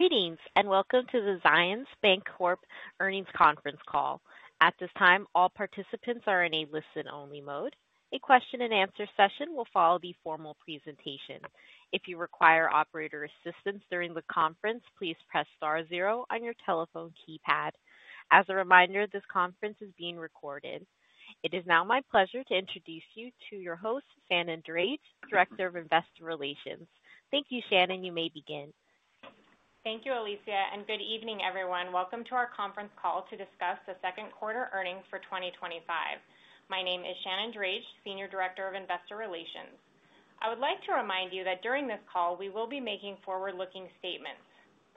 Greetings, and welcome to the Zions Bancorp Earnings Conference Call. At this time, all participants are in a listen only mode. A question and answer session will follow the formal presentation. As a reminder, this conference is being recorded. It is now my pleasure to introduce you to your host, Shannon Dreight, Director of Investor Relations. Thank you, Shannon. You may begin. Thank you, Alicia, and good evening, everyone. Welcome to our conference call to discuss the second quarter earnings for 2025. My name is Shannon Drage, Senior Director of Investor Relations. I would like to remind you that during this call, we will be making forward looking statements.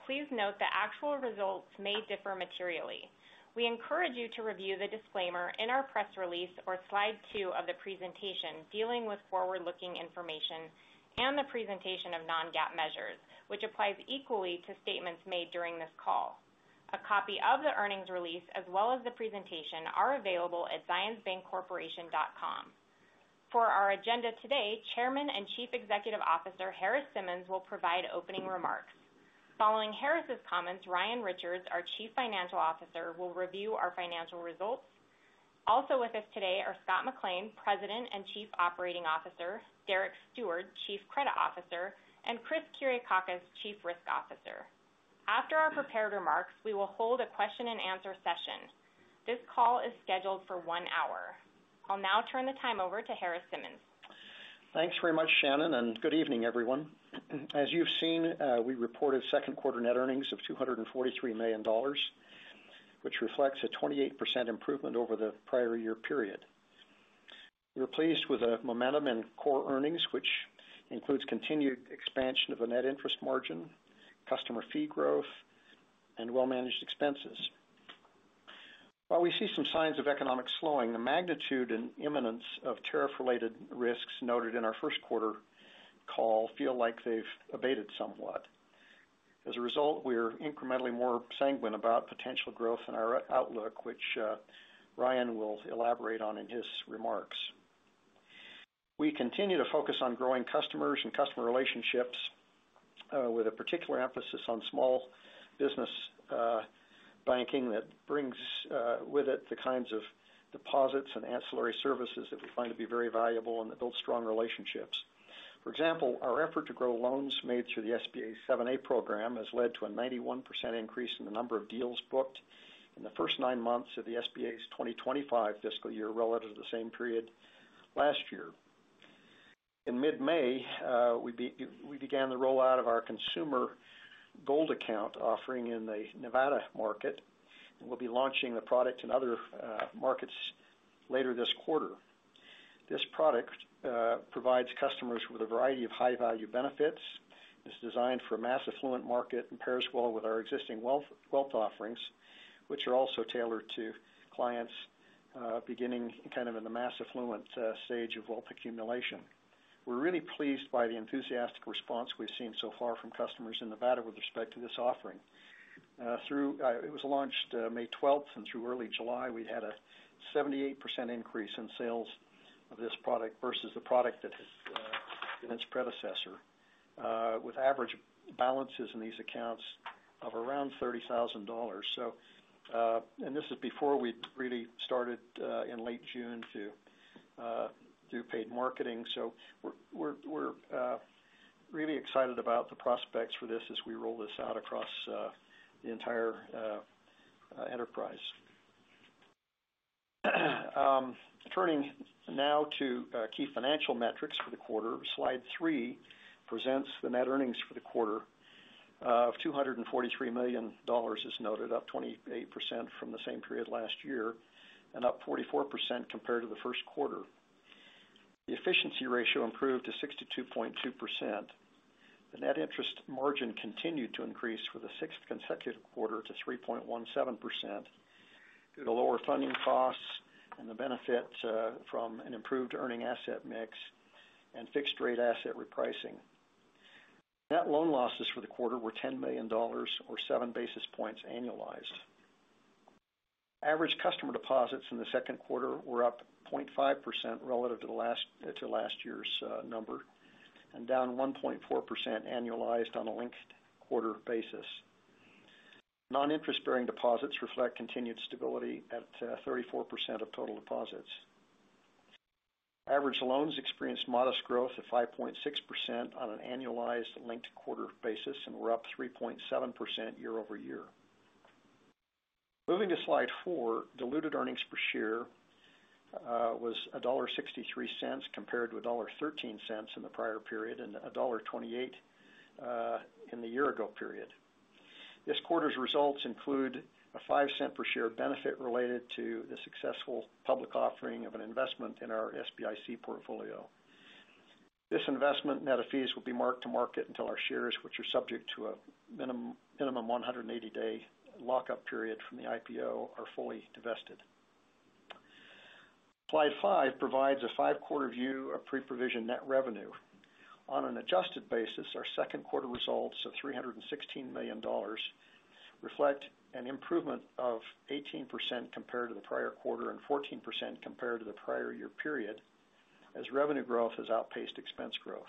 Please note that actual results may differ materially. We encourage you to review the disclaimer in our press release or Slide two of the presentation dealing with forward looking information and the presentation of non GAAP measures, which applies equally to statements made during this call. A copy of the earnings release as well as the presentation are available at zionsbancorporation.com. For our agenda today, Chairman and Chief Executive Officer, Harris Simmons, provide opening remarks. Following Harris' comments, Ryan Richards, our Chief Financial Officer, will review our financial results. Also with us today are Scott McClain, President and Chief Operating Officer Derek Stewart, Chief Credit Officer and Chris Kuryakakis, Chief Risk Officer. After our prepared remarks, we will hold a question and answer session. This call is scheduled for one hour. I'll now turn the time over to Harris Simmons. Thanks very much, Shannon, and good evening, everyone. As you've seen, we reported second quarter net earnings of $243,000,000 which reflects a 28% improvement over the prior year period. We're pleased with the momentum in core earnings, which includes continued expansion of the net interest margin, customer fee growth and well managed expenses. While we see some signs of economic slowing, the magnitude and imminence of tariff related risks noted in our first quarter call feel like they've abated somewhat. As a result, we are incrementally more sanguine about potential growth in our outlook, which Ryan will elaborate on in his remarks. We continue to focus on growing customers and customer relationships with a particular emphasis on small business banking that brings with deposits and ancillary services that we find to be very valuable and that build strong relationships. For example, our effort to grow loans made through the SBA seven program has led to a 91% increase in the number of deals booked in the first nine months of the SBA's 2025 fiscal year relative to the same period last year. In mid May, we began the rollout of our consumer gold account offering in the Nevada market and we'll be launching the product in other markets later this quarter. This product provides customers with a variety of high value benefits. It's designed for mass affluent market and pairs well with our existing wealth offerings, which are also tailored to clients beginning kind of in the mass affluent stage of wealth accumulation. We're really pleased by the enthusiastic response we've seen so far from customers in Nevada with respect to this offering. Through it was launched May 12 and through early July, we had a 78 increase in sales of this product versus the product that has been its predecessor with average balances in these accounts of around $30,000 So and this is before we really started in late June to do paid marketing. So we're really excited about the prospects for this as we roll this out across the entire enterprise. Turning now to key financial metrics for the quarter. Slide three presents the net earnings for the quarter of $243,000,000 as noted, up 28% from the same period last year and up 44 compared to the first quarter. The efficiency ratio improved to 62.2%. The net interest margin continued to increase for the sixth consecutive quarter to 3.17% due to lower funding costs and the benefit from an improved earning asset mix and fixed rate asset repricing. Net loan losses for the quarter were $10,000,000 or seven basis points annualized. Average customer deposits in the second quarter were up 0.5% relative to last year's number and down 1.4% annualized on a linked quarter basis. Non interest bearing deposits reflect continued stability at 34% of total deposits. Average loans experienced modest growth of 5.6% on an annualized linked quarter basis and were up 3.7% year over year. Moving to Slide four, diluted earnings per share was 1.63 compared to $1.13 in the prior period and $1.28 in the year ago period. This quarter's results include a $05 per share benefit related to the successful public offering of an investment in our SBIC portfolio. This investment net of fees will be mark to market until our shares which are subject to a minimum one hundred and eighty day lockup period from the IPO are fully divested. Slide five provides a five quarter view of pre provision net revenue. On an adjusted basis, our second quarter results of $316,000,000 reflect an improvement of 18% compared to the prior quarter and 14% compared to the prior year period as revenue growth has outpaced expense growth.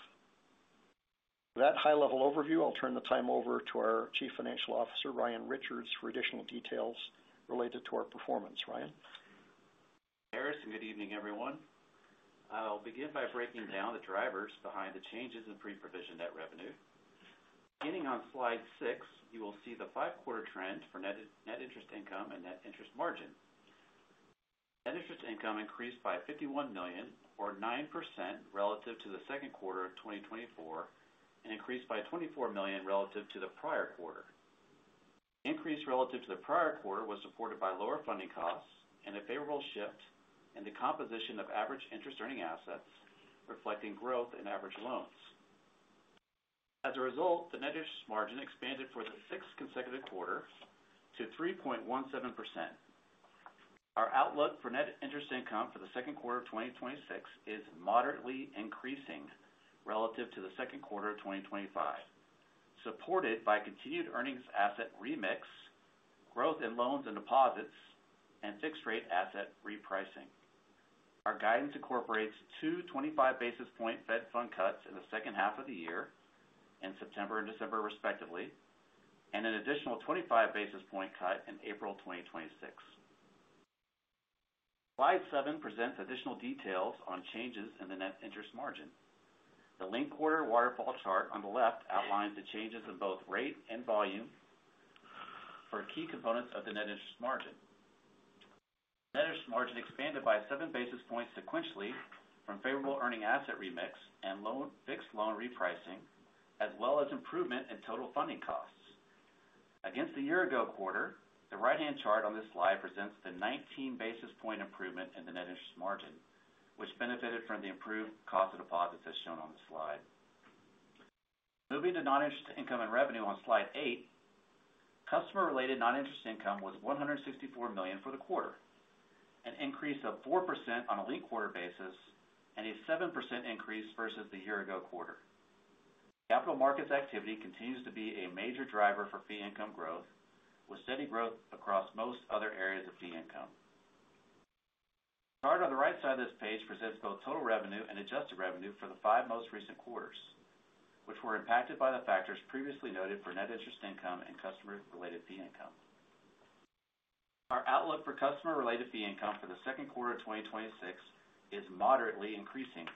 With that high level overview, I'll turn the time over to our Chief Financial Officer, Ryan Richards for additional details related to our performance. Ryan? Thank you, Harris, good evening, everyone. I'll begin by breaking down the drivers behind the changes in pre provision net revenue. Beginning on Slide six, you will see the five quarter trend for net interest income and net interest margin. Net interest income increased by $51,000,000 or 9% relative to the 2024 and increased by $24,000,000 relative to the prior quarter. Increase relative to the prior quarter was supported by lower funding costs and a favorable shift in the composition of average interest earning assets, reflecting growth in average loans. As a result, the net interest margin expanded for the sixth consecutive quarter to 3.17%. Our outlook for net interest income for the 2026 is moderately increasing relative to the second quarter of twenty twenty five, supported by continued earnings asset remix, growth in loans and deposits and fixed rate asset repricing. Our guidance incorporates two twenty five basis point Fed fund cuts in the second half of the year in September and December respectively, and an additional 25 basis point cut in April 2026. Slide seven presents additional details on changes in the net interest margin. The linked quarter waterfall chart on the left outlines the changes in both rate and volume for key components of the net interest margin. Net interest margin expanded by seven basis points sequentially from favorable earning asset remix and loan fixed loan repricing as well as improvement in total funding costs. Against the year ago quarter, the right hand chart on this slide presents the 19 basis point improvement in the net interest margin, which benefited from the improved cost of deposits as shown on the slide. Moving to non interest income and revenue on Slide eight. Customer related non interest income was $164,000,000 for the quarter, an increase of 4% on a linked quarter basis and a 7% increase versus the year ago quarter. Capital markets activity continues to be a major driver for fee income growth with steady growth across most other areas of fee income. Chart on the right side of this page presents both total revenue and adjusted revenue for the five most recent quarters, which were impacted by the factors previously noted for net interest income and customer related fee income. Our outlook for customer related fee income for the 2026 is moderately increasing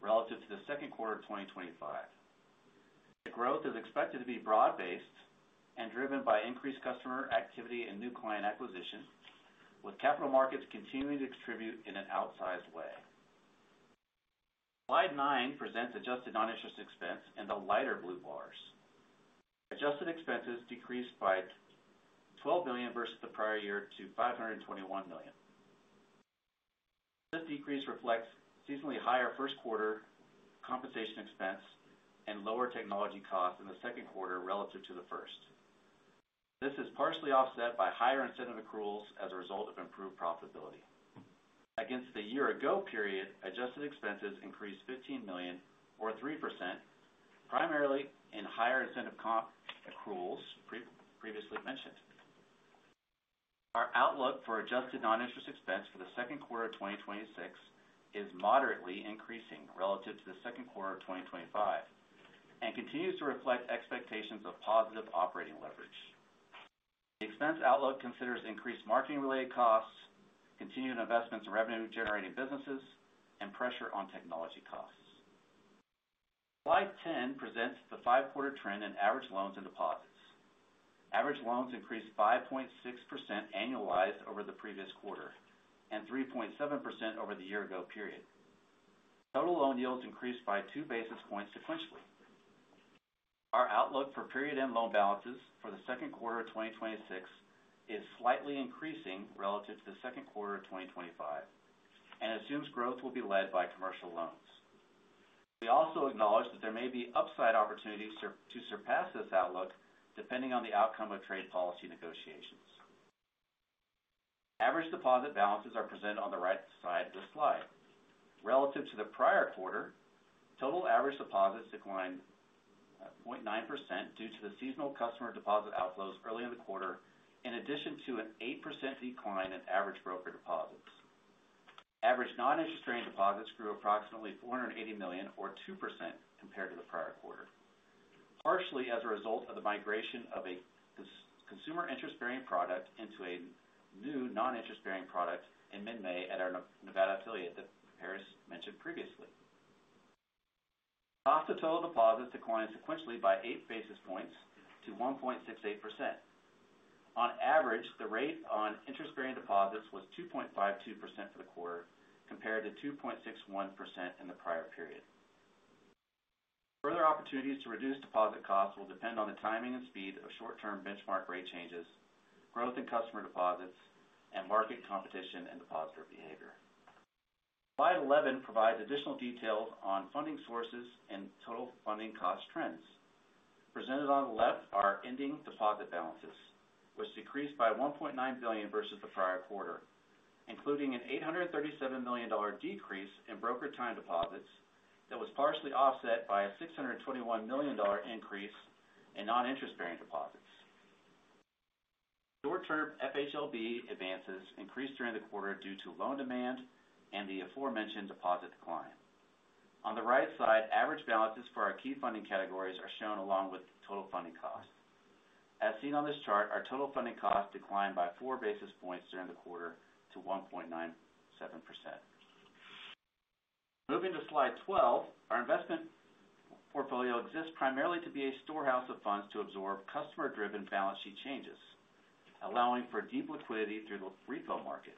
relative to the second quarter of twenty twenty five. The growth is expected to be broad based and driven by increased customer activity and new client acquisition with capital markets continuing to contribute in an outsized way. Slide nine presents adjusted non interest expense in the lighter blue bars. Adjusted expenses decreased by $12,000,000 versus the prior year to $521,000,000 This decrease reflects seasonally higher first quarter compensation expense and lower technology costs in the second quarter relative to the first. This is partially offset by higher incentive accruals as a result of improved profitability. Against the year ago period, adjusted expenses increased $15,000,000 or 3%, primarily in higher incentive comp accruals previously mentioned. Our outlook for adjusted non interest expense for the 2026 is moderately increasing relative to the 2025 and continues to reflect expectations of positive operating leverage. The expense outlook considers increased marketing related costs, continued investments in revenue generating businesses and pressure on technology costs. Slide 10 presents the five quarter trend in average loans and deposits. Average loans increased 5.6% annualized over the previous quarter and 3.7% over the year ago period. Total loan yields increased by two basis points sequentially. Our outlook for period end loan balances for the 2026 is slightly increasing relative to the 2025 and assumes growth will be led by commercial loans. We also acknowledge that there may be upside opportunities to surpass this outlook depending on the outcome of trade policy negotiations. Average deposit balances are presented on the right side of the slide. Relative to the prior quarter, total average deposits declined 0.9% due to the seasonal customer deposit outflows earlier in the quarter in addition to an 8% decline in average broker deposits. Average non interest bearing deposits grew approximately $480,000,000 or 2% compared to the prior quarter, partially as a result of the migration of a consumer interest bearing product into a new non interest bearing product in mid May at our Nevada affiliate that Paris mentioned previously. Cost of total deposits declined sequentially by eight basis points to 1.68%. On average, the rate on interest bearing deposits was 2.52% for the quarter compared to 2.61% in the prior period. Further opportunities to reduce deposit costs will depend on the timing and speed of short term benchmark rate changes, growth in customer deposits and market competition and depositor behavior. Slide 11 provides additional details on funding sources and total funding cost trends. Presented on the left are ending deposit balances, which decreased by $1,900,000,000 versus the prior quarter, including an $837,000,000 decrease in brokered time deposits that was partially offset by a $621,000,000 increase in non interest bearing deposits. Short term FHLB advances increased during the quarter due to loan demand and the aforementioned deposit decline. On the right side, average balances for our key funding categories are shown along with total funding costs. As seen on this chart, our total funding cost declined by four basis points during the quarter to 1.97%. Moving to Slide 12, our investment portfolio exists primarily to be a storehouse of funds to absorb customer driven balance sheet changes, allowing for deep liquidity through the repo market.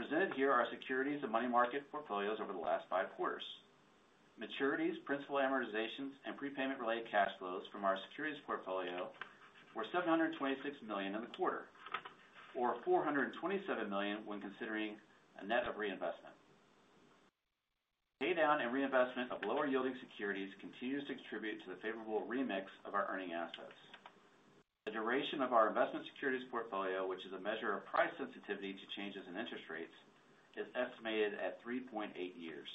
Presented here are securities and money market portfolios over the last five quarters. Maturities, principal amortizations and prepayment related cash flows from our securities portfolio were $726,000,000 in the quarter or $427,000,000 when considering a net of reinvestment. Pay down and reinvestment of lower yielding securities continues to contribute to the favorable remix of our earning assets. The duration of our investment securities portfolio, which is a measure of price sensitivity to changes in interest rates is estimated at three point eight years.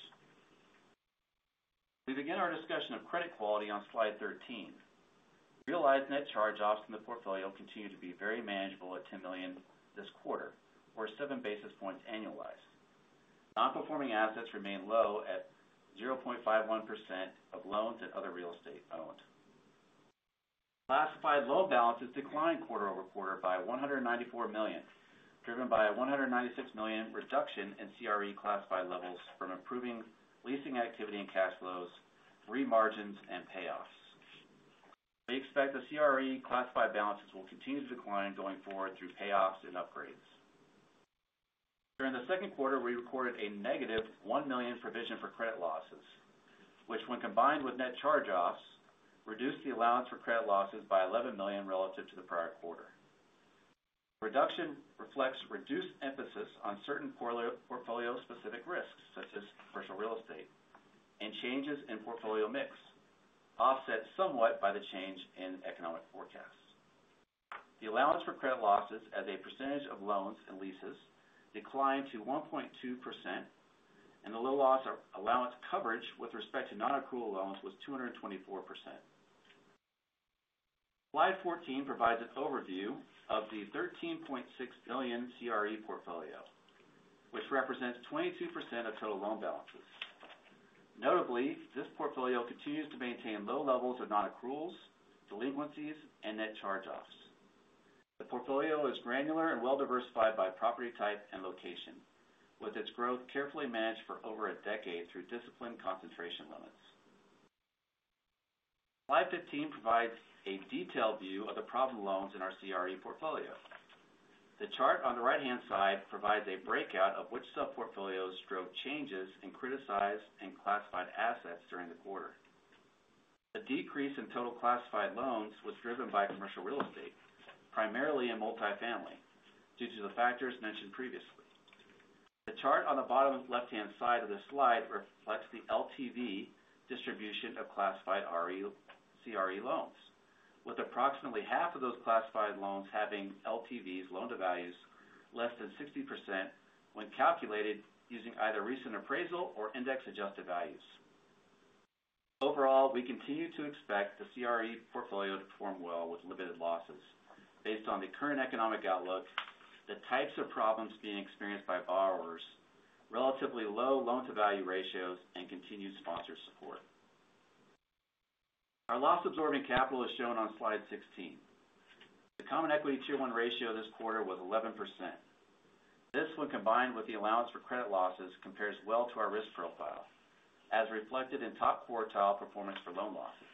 We begin our discussion of credit quality on Slide 13. Realized net charge offs in the portfolio continue to be very manageable at $10,000,000 this quarter or seven basis points annualized. Non performing assets remain low at 0.51% of loans and other real estate owned. Classified loan balances declined quarter over quarter by $194,000,000 driven by $196,000,000 reduction in CRE classified levels from improving leasing activity and cash flows, re margins and payoffs. We expect the CRE classified balances will continue to decline going forward through payoffs and upgrades. During the second quarter, we recorded a negative $1,000,000 provision for credit losses, which when combined with net charge offs reduced the allowance for credit losses by $11,000,000 relative to the prior quarter. Reduction reflects reduced emphasis on certain portfolio specific risks such as commercial real estate and changes in portfolio mix, offset somewhat by the change in economic forecasts. The allowance for credit losses as a percentage of loans and leases declined to 1.2% and the low loss allowance coverage with respect to nonaccrual loans was 224%. Slide 14 provides an overview of the $13,600,000,000 CRE portfolio, which represents 22% of total loan balances. Notably, this portfolio continues to maintain low levels of non accruals, delinquencies and net charge offs. The portfolio is granular and well diversified by property type and location, with its growth carefully managed for over a decade through disciplined concentration limits. Slide 15 provides a detailed view of the problem loans in our CRE portfolio. The chart on the right hand side provides a breakout of which sub portfolios drove changes in criticized and classified assets during the quarter. The decrease in total classified loans was driven by commercial real estate, primarily in multifamily due to the factors mentioned previously. The chart on the bottom left hand side of the slide reflects the LTV distribution of classified RE CRE loans, with approximately half of those classified loans having LTVs loan to values less than 60% when calculated using either recent appraisal or index adjusted values. Overall, we continue to expect the CRE portfolio to perform well with limited losses based on the current economic outlook, the types of problems being experienced by borrowers, relatively low loan to value ratios and continued sponsor support. Our loss absorbing capital is shown on Slide 16. The common equity Tier one ratio this quarter was 11%. This one combined with the allowance for credit losses compares well to our risk profile as reflected in top quartile performance for loan losses.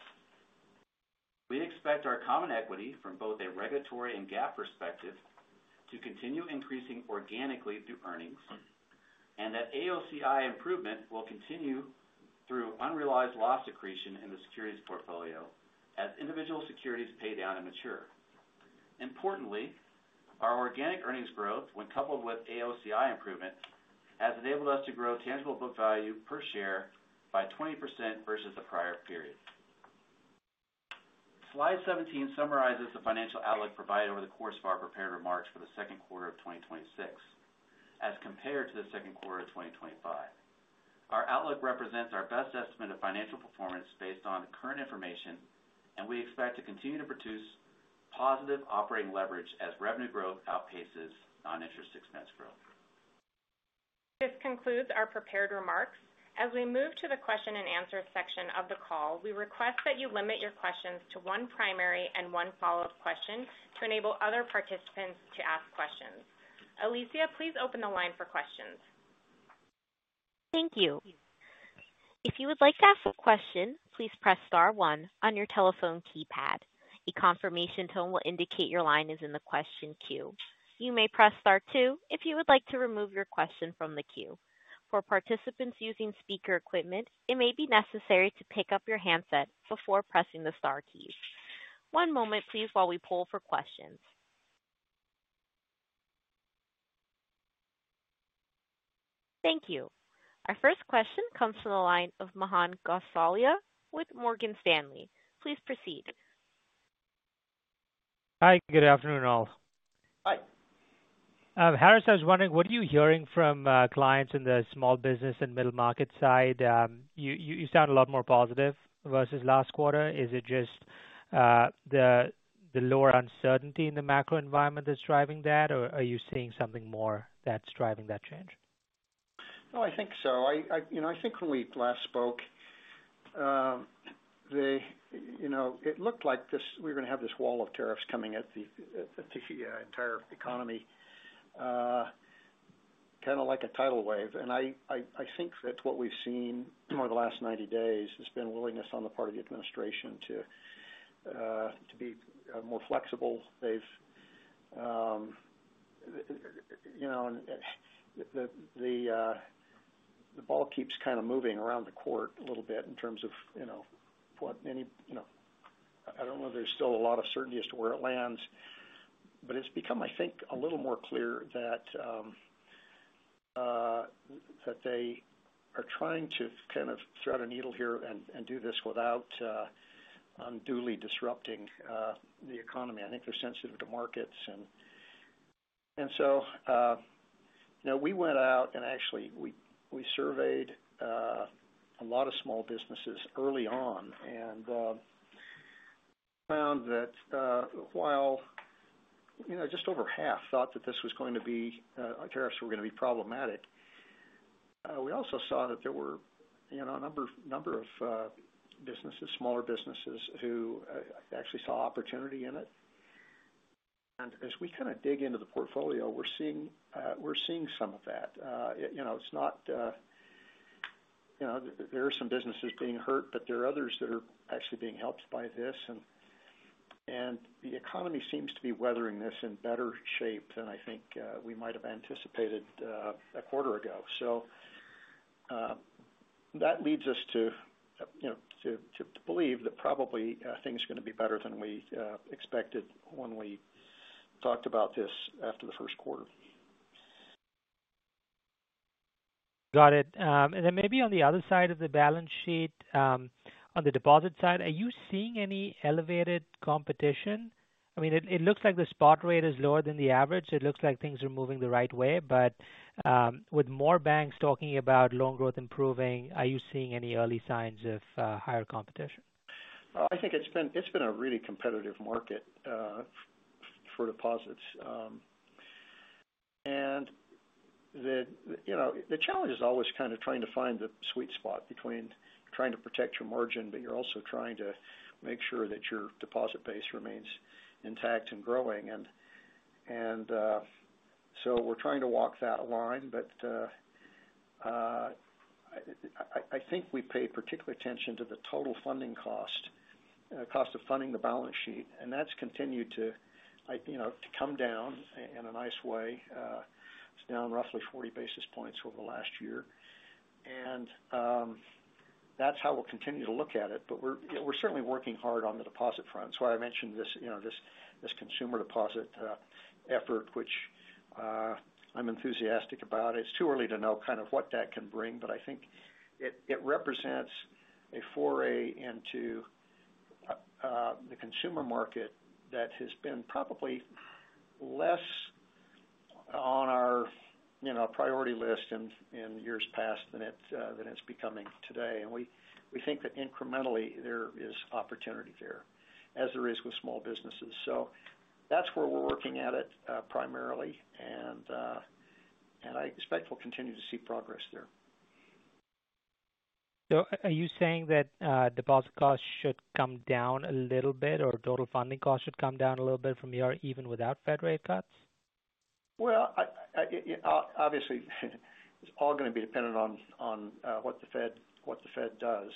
We expect our common equity from both a regulatory and GAAP perspective to continue increasing organically through earnings and that AOCI improvement will continue through unrealized loss accretion in the securities portfolio as individual securities pay down and mature. Importantly, our organic earnings growth when coupled with AOCI improvement has enabled us to grow tangible book value per share by 20% versus the prior period. Slide 17 summarizes the financial outlook provided over the course of our prepared remarks for the 2026 as compared to the second quarter of twenty twenty five. Our outlook represents our best estimate of financial performance based on current information and we expect to continue to produce positive operating leverage as revenue growth outpaces non interest expense growth. This concludes our prepared remarks. As we move to the question and answer section of the call, request that you limit your questions to one primary and one follow-up question to enable other participants to ask questions. Alicia, please open the line for questions. Thank you. You. Thank you. Our first question comes from the line of Mohan Ghosalia with Morgan Stanley. Please proceed. Hi, good afternoon all. Hi. Harris, I was wondering, what are you hearing from clients in the small business and middle market side? You sound a lot more positive versus last quarter. Is it just the lower uncertainty in the macro environment that's driving that? Or are you seeing something more that's driving that change? No, I think so. I think when we last spoke, it looked like this we're going to have this wall of tariffs coming at the entire economy, kind of like a tidal wave. And I think that what we've seen over the last ninety days has been willingness on the part of the administration to be more flexible. They've the ball keeps kind of moving around the court a little bit in terms of what any I don't know if there's still a lot of certainty as to where it lands. But it's become I think a little more clear that they are trying to kind of thread a needle here and do this without duly disrupting the economy. I think they're sensitive to markets. And so we went out and actually we surveyed a lot of small businesses early on and found that while just over half thought that this was going to be tariffs were going be problematic. We also saw that there were a number of businesses, smaller businesses who actually saw opportunity in it. And as we kind of dig into the portfolio, we're seeing some of that. It's not there are some businesses being hurt, but there are others that are actually being helped by this. And the economy seems to be weathering this in better shape than I think we might have anticipated a quarter ago. So that leads us to believe that probably things are to be better than we expected when we talked about this after the first quarter. Got it. And then maybe on the other side of the balance sheet, on the deposit side, are you seeing any elevated competition? I mean, looks like the spot rate is lower than the average. It looks like things are moving the right way. But with more banks talking about loan growth improving, are you seeing any early signs of higher competition? I think it's been a really competitive market for deposits. And the challenge is always kind of trying to find the sweet spot between trying to protect your margin, but you're also trying to make sure that your deposit base remains intact and growing. And so we're trying to walk that line. But I think we pay particular attention to the total funding cost, cost of funding the balance sheet. And that's continued come down in a nice way. It's down roughly 40 basis points over the last year. And that's how we'll continue to look at it. But we're certainly working hard on the deposit front. So I mentioned this consumer deposit effort, which I'm enthusiastic about. It's too early to know kind of what that can bring, but I think it represents a foray into the consumer market that has been probably less on our priority list in years past than it's becoming today. And we think that incrementally there is opportunity there as there is with small businesses. So that's where we're working at it primarily and I expect we'll continue to see progress there. So are you saying that deposit costs should come down a little bit or total funding costs should come down a little bit from here even without Fed rate cuts? Well, obviously, it's all going to be dependent on what the Fed does.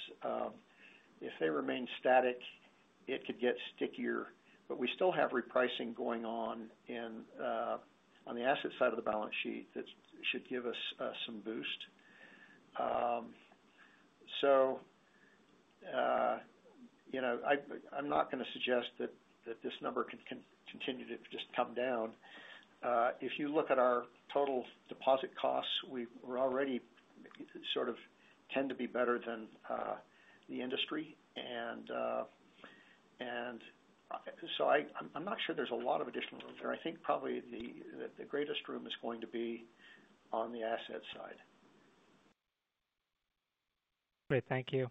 If they remain static, it could get stickier, but we still have repricing going on on the asset side of the balance sheet that should give us some boost. So I'm not going to suggest that this number can continue to just come down. If you look at our total deposit costs, we already sort of tend to be better than the industry. And so I'm not sure there's a lot of additional room there. I think probably the greatest room is going to be on the asset side. Great. Thank you.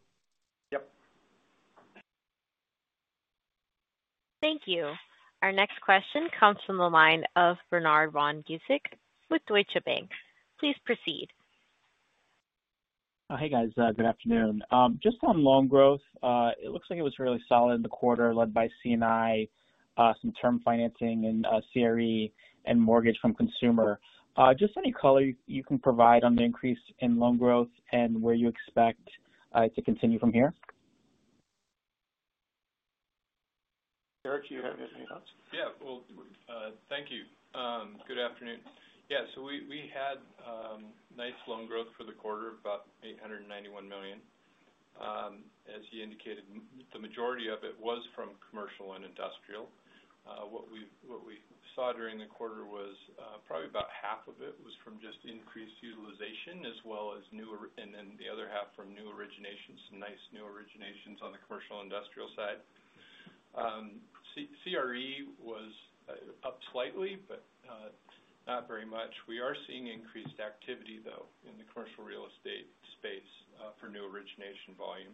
Yes. Thank you. Our next question comes from the line of Bernard Ron Gusick with Deutsche Bank. Please proceed. Hey guys, good afternoon. Just on loan growth, it looks like it was really solid in the quarter led by C and I, some term financing and CRE and mortgage from consumer. Just any color you can provide on the increase in loan growth and where you expect to continue from here? Eric, do you have any thoughts? Yes. Well, thank you. Good afternoon. Yes, so we had nice loan growth for the quarter about $891,000,000 As you indicated, the majority of it was from commercial and industrial. What we saw during the quarter was probably about half of it was from just increased utilization as well as new and then the other half from new originations, nice new originations on the commercial industrial side. CRE was up slightly, but not very much. We are seeing increased activity though in the commercial real estate space for new origination volume.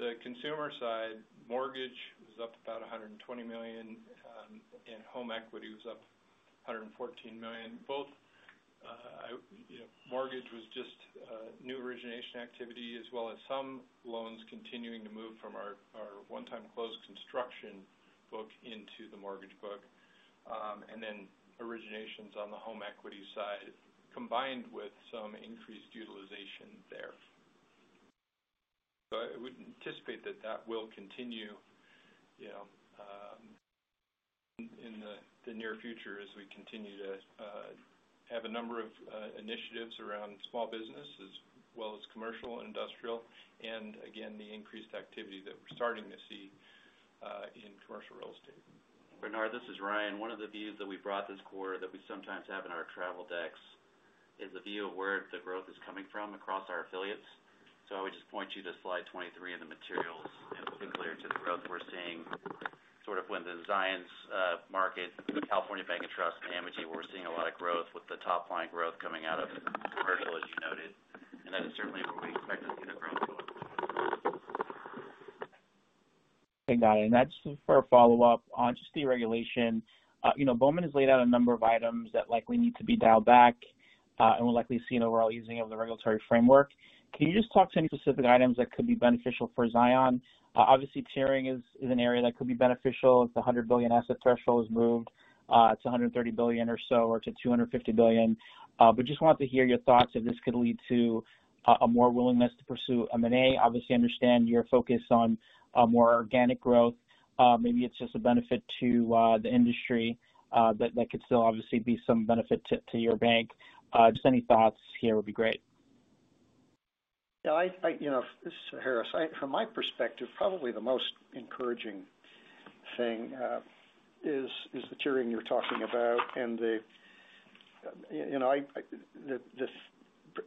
The consumer side, mortgage was up about $120,000,000 and home equity was up $114,000,000 Both mortgage was just new origination activity as well as some loans continuing to move from our one time closed construction book into the mortgage book. And then origination on the home equity side combined with some increased utilization there. But I would anticipate that that will continue in the near future as we continue to have a number of initiatives around small business as well as commercial and industrial and again the increased activity that we're starting to see in commercial real estate. Bernard, this is Ryan. One of the views that we brought this quarter that we sometimes have in our travel decks is the view of where the growth is coming from across our affiliates. So I would just point you to Slide 23 in the materials and it will be clear to the growth we're seeing sort of when the Zions market, California Bank of Trust, Camagie, we're seeing a lot of growth with the top line growth coming out of commercial as you noted. And that is certainly where we expect to see the growth. Got it. And that's for a follow-up on just deregulation. Bowman has laid out a number of items that likely need to be dialed back and will likely see an overall easing of the regulatory framework. Can you just talk to any specific items that could be beneficial for Zion? Obviously, tiering is an area that could be beneficial. The $100,000,000,000 asset threshold has moved to $130,000,000,000 or so or to $250,000,000,000 But just wanted to hear your thoughts if this could lead to a more willingness to pursue M and A. Obviously, I understand your focus on more organic growth. Maybe it's just a benefit to the industry that could still obviously be some benefit to your bank. Just any thoughts here would be great. This is Harris. From my perspective, probably the most encouraging thing is the tiering you're talking about. And the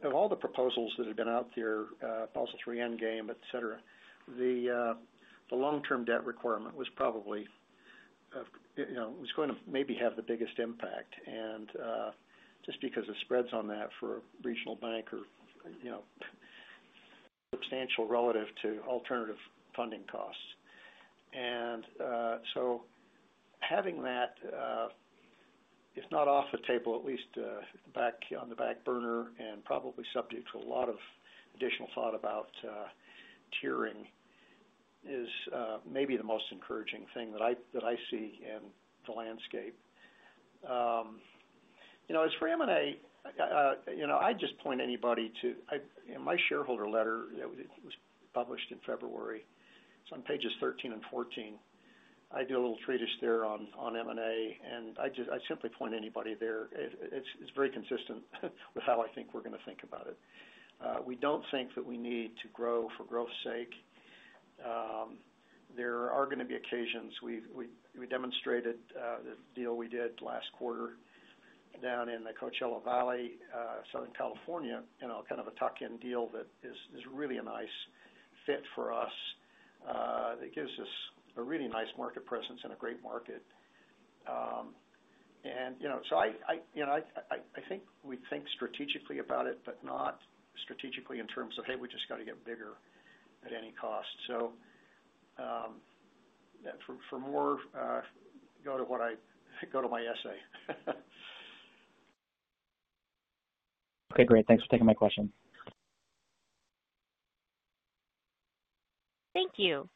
of all the proposals that have been out there, Basel III endgame, etcetera, the long term debt requirement was probably it was going to maybe have the biggest impact. And just because of spreads on that for regional bank are substantial relative to alternative funding costs. And so having that, if not off the table at least back on the back burner and probably subject to a lot of additional thought about tiering is maybe the most encouraging thing that I see in the landscape. As for M and A, I just point anybody to my shareholder letter It's on pages thirteen and fourteen. I do a little treatise there on M and A. And I just I simply point anybody there. It's very consistent with how I think we're going to think about it. We don't think that we need to grow for growth's sake. There are going to be occasions. We demonstrated the deal we did last quarter down in the Coachella Valley, Southern California, kind of a tuck in deal that is really a nice fit for us. It gives us a really nice market presence and a great market. So I think we think strategically about it, but not strategically in terms of, hey, we just got to get bigger at any cost. So for more go to what I go to my essay. Okay, great. Thanks for taking my question. Thank you.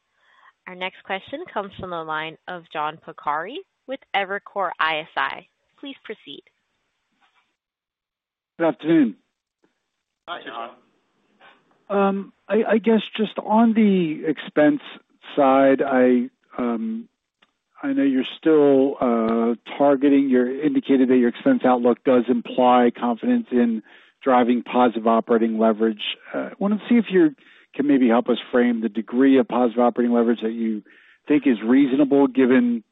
Our next question comes from the line of John Pancari with Evercore ISI. Please proceed. Good afternoon. Hi, John. I guess just on the expense side, I know you're still targeting you indicated that your expense outlook does imply confidence in driving positive operating leverage. I want to see if you can maybe help us frame the degree of positive operating leverage that you think is reasonable given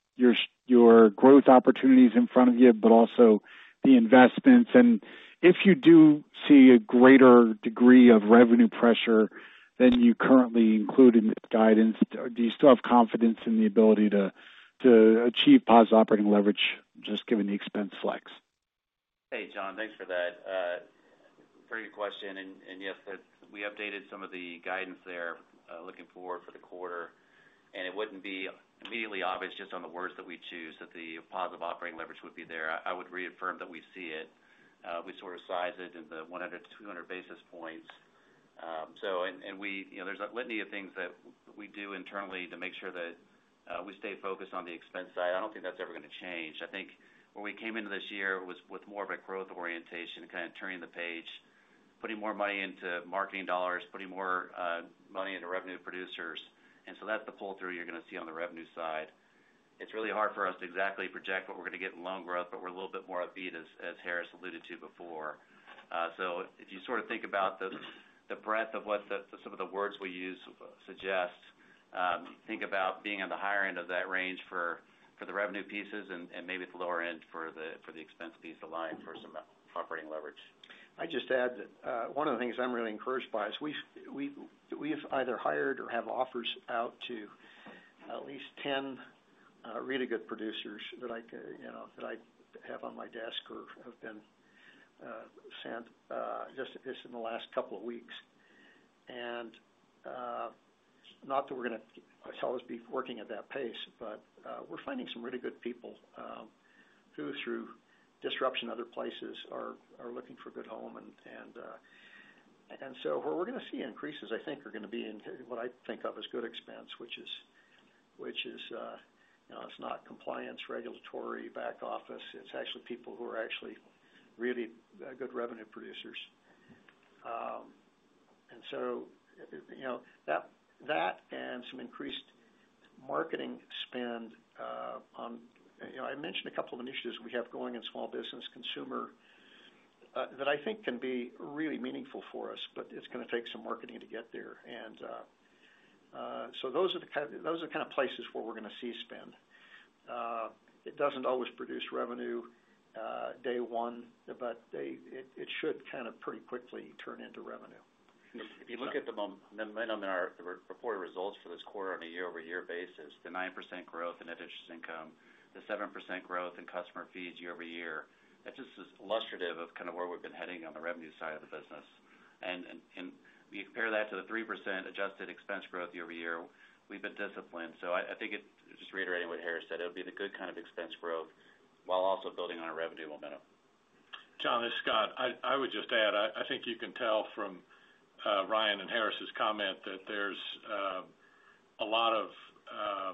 your growth opportunities in front of you, but also the investments? And if you do see a greater degree of revenue pressure than you currently include in the guidance, do you still have confidence in the ability to achieve positive operating leverage just given the expense flex? Hey, John. Thanks for that. Pretty good question. And yes, we updated some of the guidance there looking forward for the quarter. And it wouldn't be immediately obvious just on the words that we choose that the positive operating leverage would be there. I would reaffirm that we see it. We sort of size it in the 100 to 200 basis points. So and we there's a litany of things that we do internally to make sure that we stay focused on the expense side. I don't think that's ever going to change. I think when we came into this year, it was with more of a growth orientation, turning the page, putting more money into marketing dollars, putting more money into revenue producers. And so that's the pull through you're going to see on the revenue side. It's really hard for us to exactly project what we're going get in loan growth, but we're a little bit more upbeat, as Harris alluded to before. So if you sort of think about the breadth of what the some of the words we use suggest, think about being on the higher end of that range for the revenue pieces and maybe at the lower end for the expense piece of line for some operating leverage. I'd just add, one of the things I'm really encouraged by is we've either hired or have offers out to at least 10 really good producers that I have on my desk or have been sent in the last couple of weeks. And not that we're going to sell this beef working at that pace, but we're finding some really good people who through disruption in other places are looking for a good home. So what we're going to see increases, think are going to be in what I think of as good expense, which is it's not compliance regulatory back office. It's actually people who are actually really good revenue producers. And so that and some increased marketing spend on I mentioned a couple of initiatives we have going in small business consumer that I think can be really meaningful for us, but it's going to take some marketing to get there. And so those are the kind of places where we're going to see spend. It doesn't always produce revenue day one, but it should kind of pretty quickly turn into revenue. You look at the momentum in our reported results for this quarter on a year over year basis, the 9% growth in net interest income, the 7% growth in customer fees year over year, that's just illustrative of kind of where we've been heading on the revenue side of the business. And we compare that to the 3% adjusted expense growth year over year, we've been disciplined. So I think it's just reiterating what Harris said, it will be the good kind of expense growth while also building on our revenue momentum. John, this is Scott. I would just add. I think you can tell from Ryan and Harris' comment that there's a lot of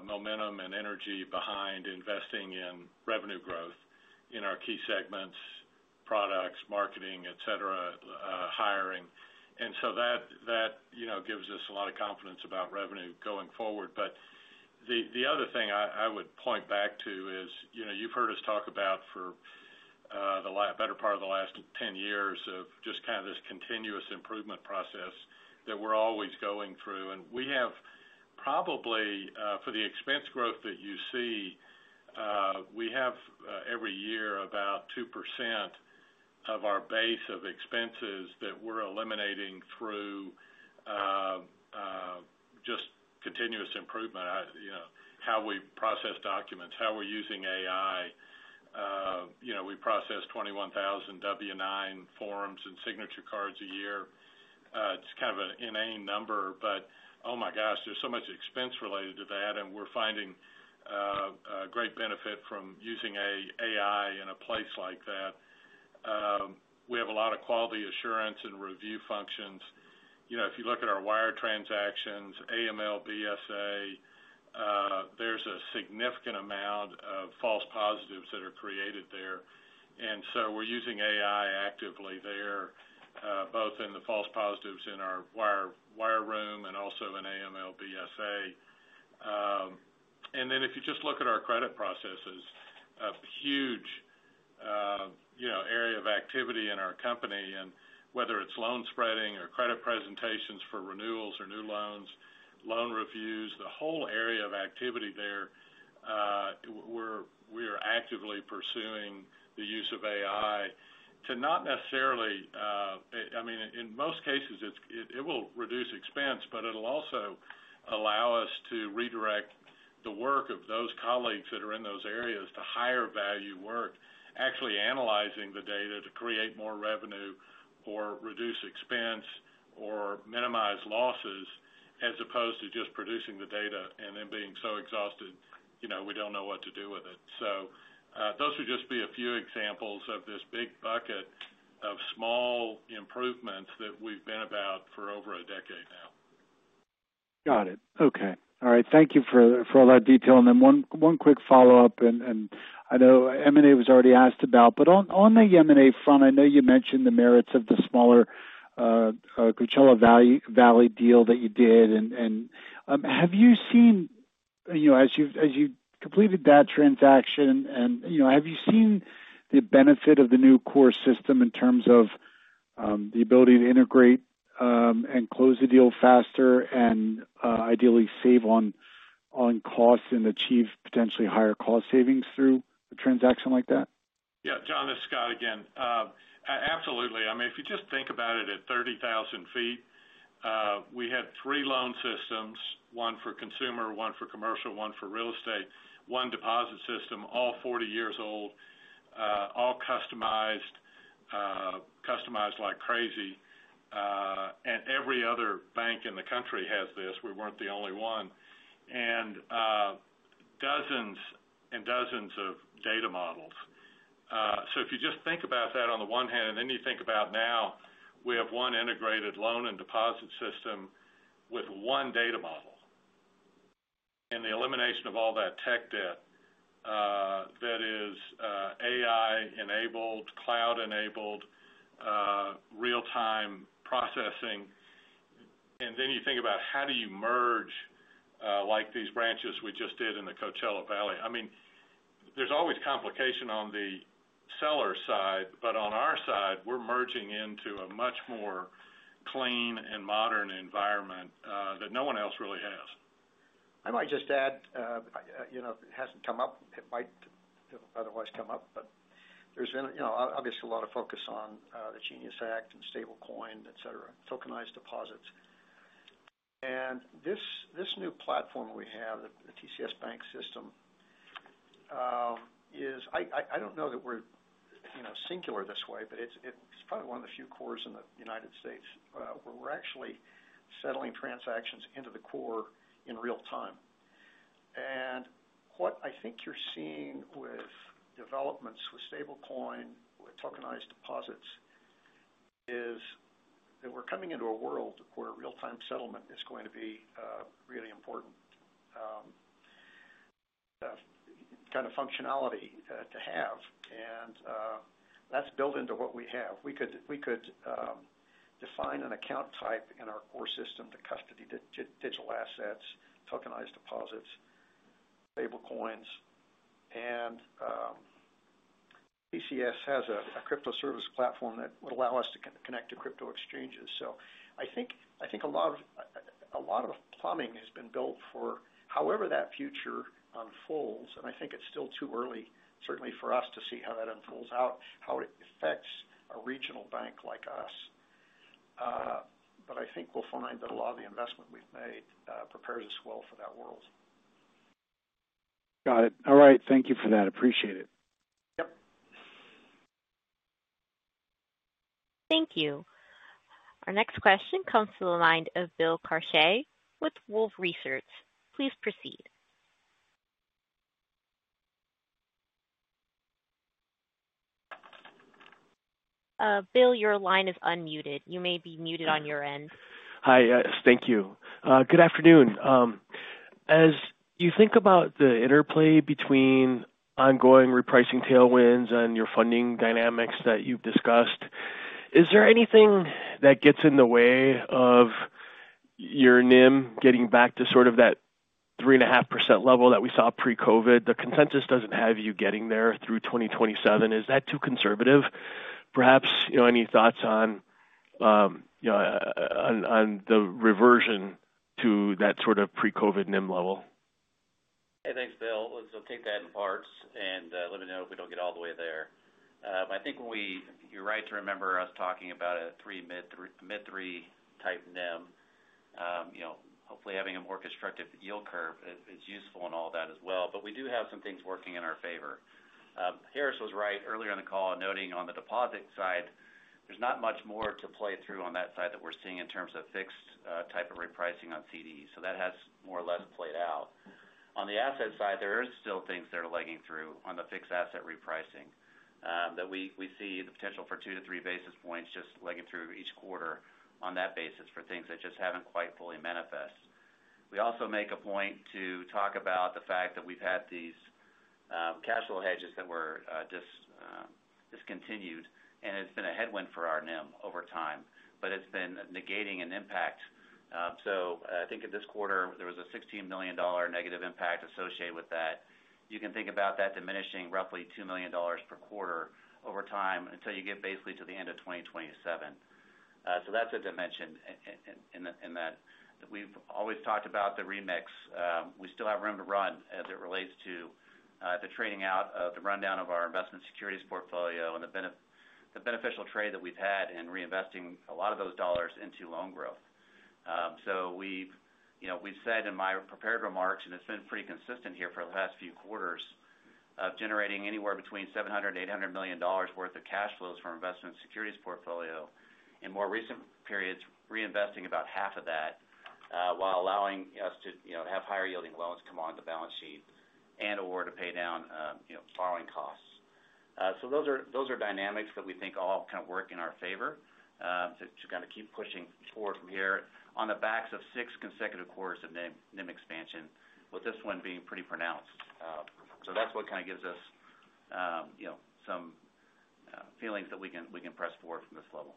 momentum and energy behind investing in revenue growth in our key segments, products, marketing, etcetera, hiring. And so that gives us a lot of confidence about revenue going forward. But the other thing I would point back to is, you've heard us talk about for the better part of the last ten years of just kind of this continuous improvement process that we're always going through. And we have probably, for the expense growth that you see, we have every year about 2% of our base of expenses that we're eliminating through just continuous improvement, how we process documents, how we're using AI. We process 21,000 W-nine forms and signature cards a year. It's kind of an inane number, but oh my gosh, there's so much expense related to that, and we're finding great benefit from using AI in a place like that. We have a lot of quality assurance and review functions. If you look at our wire transactions, AML, BSA, there's a significant amount of false positives that are created there. And so we're using AI actively there, both in the false positives in our wire room and also in AML BSA. And then if you just look at our credit processes, a huge area of activity in our company and whether it's loan spreading or credit presentations for renewals or new loans, loan reviews, the whole area of activity there, we are actively pursuing the use of AI to not necessarily, I mean, in most cases, it will reduce expense, but it will also allow us to redirect the work of those colleagues that are in those areas to higher value work, actually analyzing the data to create more revenue or reduce expense or minimize losses as opposed to just producing the data and then being so exhausted, we don't know what to do with it. So, those would just be a few examples of this big bucket of small improvements that we've been about for over a decade now. Got it. Okay. All right. Thank you for all that detail. And then one quick follow-up. And I know M and A was already asked about. But on the M and A front, I know you mentioned the merits of the smaller Coachella Valley deal that you did. And have you seen as you completed that transaction and have you seen the benefit of the new core system in terms of the ability to integrate and close the deal faster and ideally save on costs and achieve potentially higher cost savings through a transaction like that? Yes. John, this is Scott again. Absolutely. I mean, if you just think about it at 30,000 feet, we had three loan systems, one for consumer, one for commercial, one for real estate, one deposit system, all 40 years old, all customized like crazy. And every other bank in the country has this. We weren't the only one. And dozens and dozens of data models. So if you just think about that on the one hand and then you think about now, we have one integrated loan and deposit system with one data model. And the elimination of all that tech debt, that is AI enabled, cloud enabled, real time processing. And then you think about how do you merge like these branches we just did in the Coachella Valley. I mean, there's always complication on the seller side. But on our side, we're merging into a much more clean and modern environment that no one else really has. I might just add, it hasn't come up, it might otherwise come up, but there's obviously a lot of focus on the Genius Act and stablecoin, etcetera, tokenized deposits. And this new platform we have, the TCS Bank system is I don't know that we're singular this way, but it's probably one of the few cores in The United States where we're actually settling transactions into the core in real time. And what I think you're seeing with developments with stablecoin, with tokenized deposits is that we're coming into a world where real time settlement is going to be really important kind of functionality to have. And that's built into what we have. We could define an account type in our core system to custody digital assets, tokenized deposits, stable coins. And PCS has a crypto service platform that would allow us to connect to crypto exchanges. So I think a lot of plumbing has been built for however that future unfolds. And I think it's still too early, certainly for us to see how that unfolds out, how it affects a regional bank like us. But I think we'll find that a lot of the investment we've made prepares us well for that world. Got it. All right. Thank you for that. Appreciate it. Yes. Thank you. Our next question comes from the line of Bill Carshay with Wolfe Research. Please proceed. Bill, your line is unmuted. You may be muted on your end. Hi, thank you. Good afternoon. As you think about the interplay between ongoing repricing tailwinds and your funding dynamics that you've discussed, is there anything that gets in the way of your NIM getting back to sort of that 3.5% level that we saw pre COVID? The consensus doesn't have you getting there through 2027. Is that too conservative? Perhaps any thoughts on the reversion to that sort of pre COVID NIM level? Hey, thanks, Bill. I'll take that in parts and let me know if we don't get all the way there. I think we you're right to remember us talking about a 3% mid-three percent type NIM. Hopefully having a more constructive yield curve is useful and all that as well. But we do have some things working in our favor. Harris was right earlier in the call noting on the deposit side, there's not much more to play through on that side that we're seeing in terms of fixed type of repricing on CDs. So that has more or less played out. On the asset side, there is still things that are lagging through on the fixed asset repricing that we see the potential for two to three basis points just lagging through each quarter on that basis for things that just haven't quite fully manifest. We also make a point to talk about the fact that we've had these cash flow hedges that were discontinued and it's been a headwind for our NIM over but it's been negating an impact. So I think in this quarter, there was a $16,000,000 negative impact associated with that. You can think about that diminishing roughly $2,000,000 per quarter over time until you get basically to the end of twenty twenty seven. So that's a dimension in that. We've always talked about the remix. We still have room to run as it relates to the trading out of the rundown of our investment securities portfolio and the beneficial trade that we've had in reinvesting a lot of those dollars into loan growth. So we've said in my prepared remarks and it's been pretty consistent here for the last few quarters of generating anywhere between 700,000,000 to $800,000,000 worth of cash flows from investment securities portfolio in more recent periods reinvesting about half of that while allowing us to have higher yielding loans come on the balance sheet and or to pay down borrowing costs. So those are dynamics that we think all kind of work in our favor to kind of keep pushing forward from here on the backs of six consecutive quarters of NIM expansion with this one being pretty pronounced. So that's what kind of gives us some feelings that we can press forward from this level.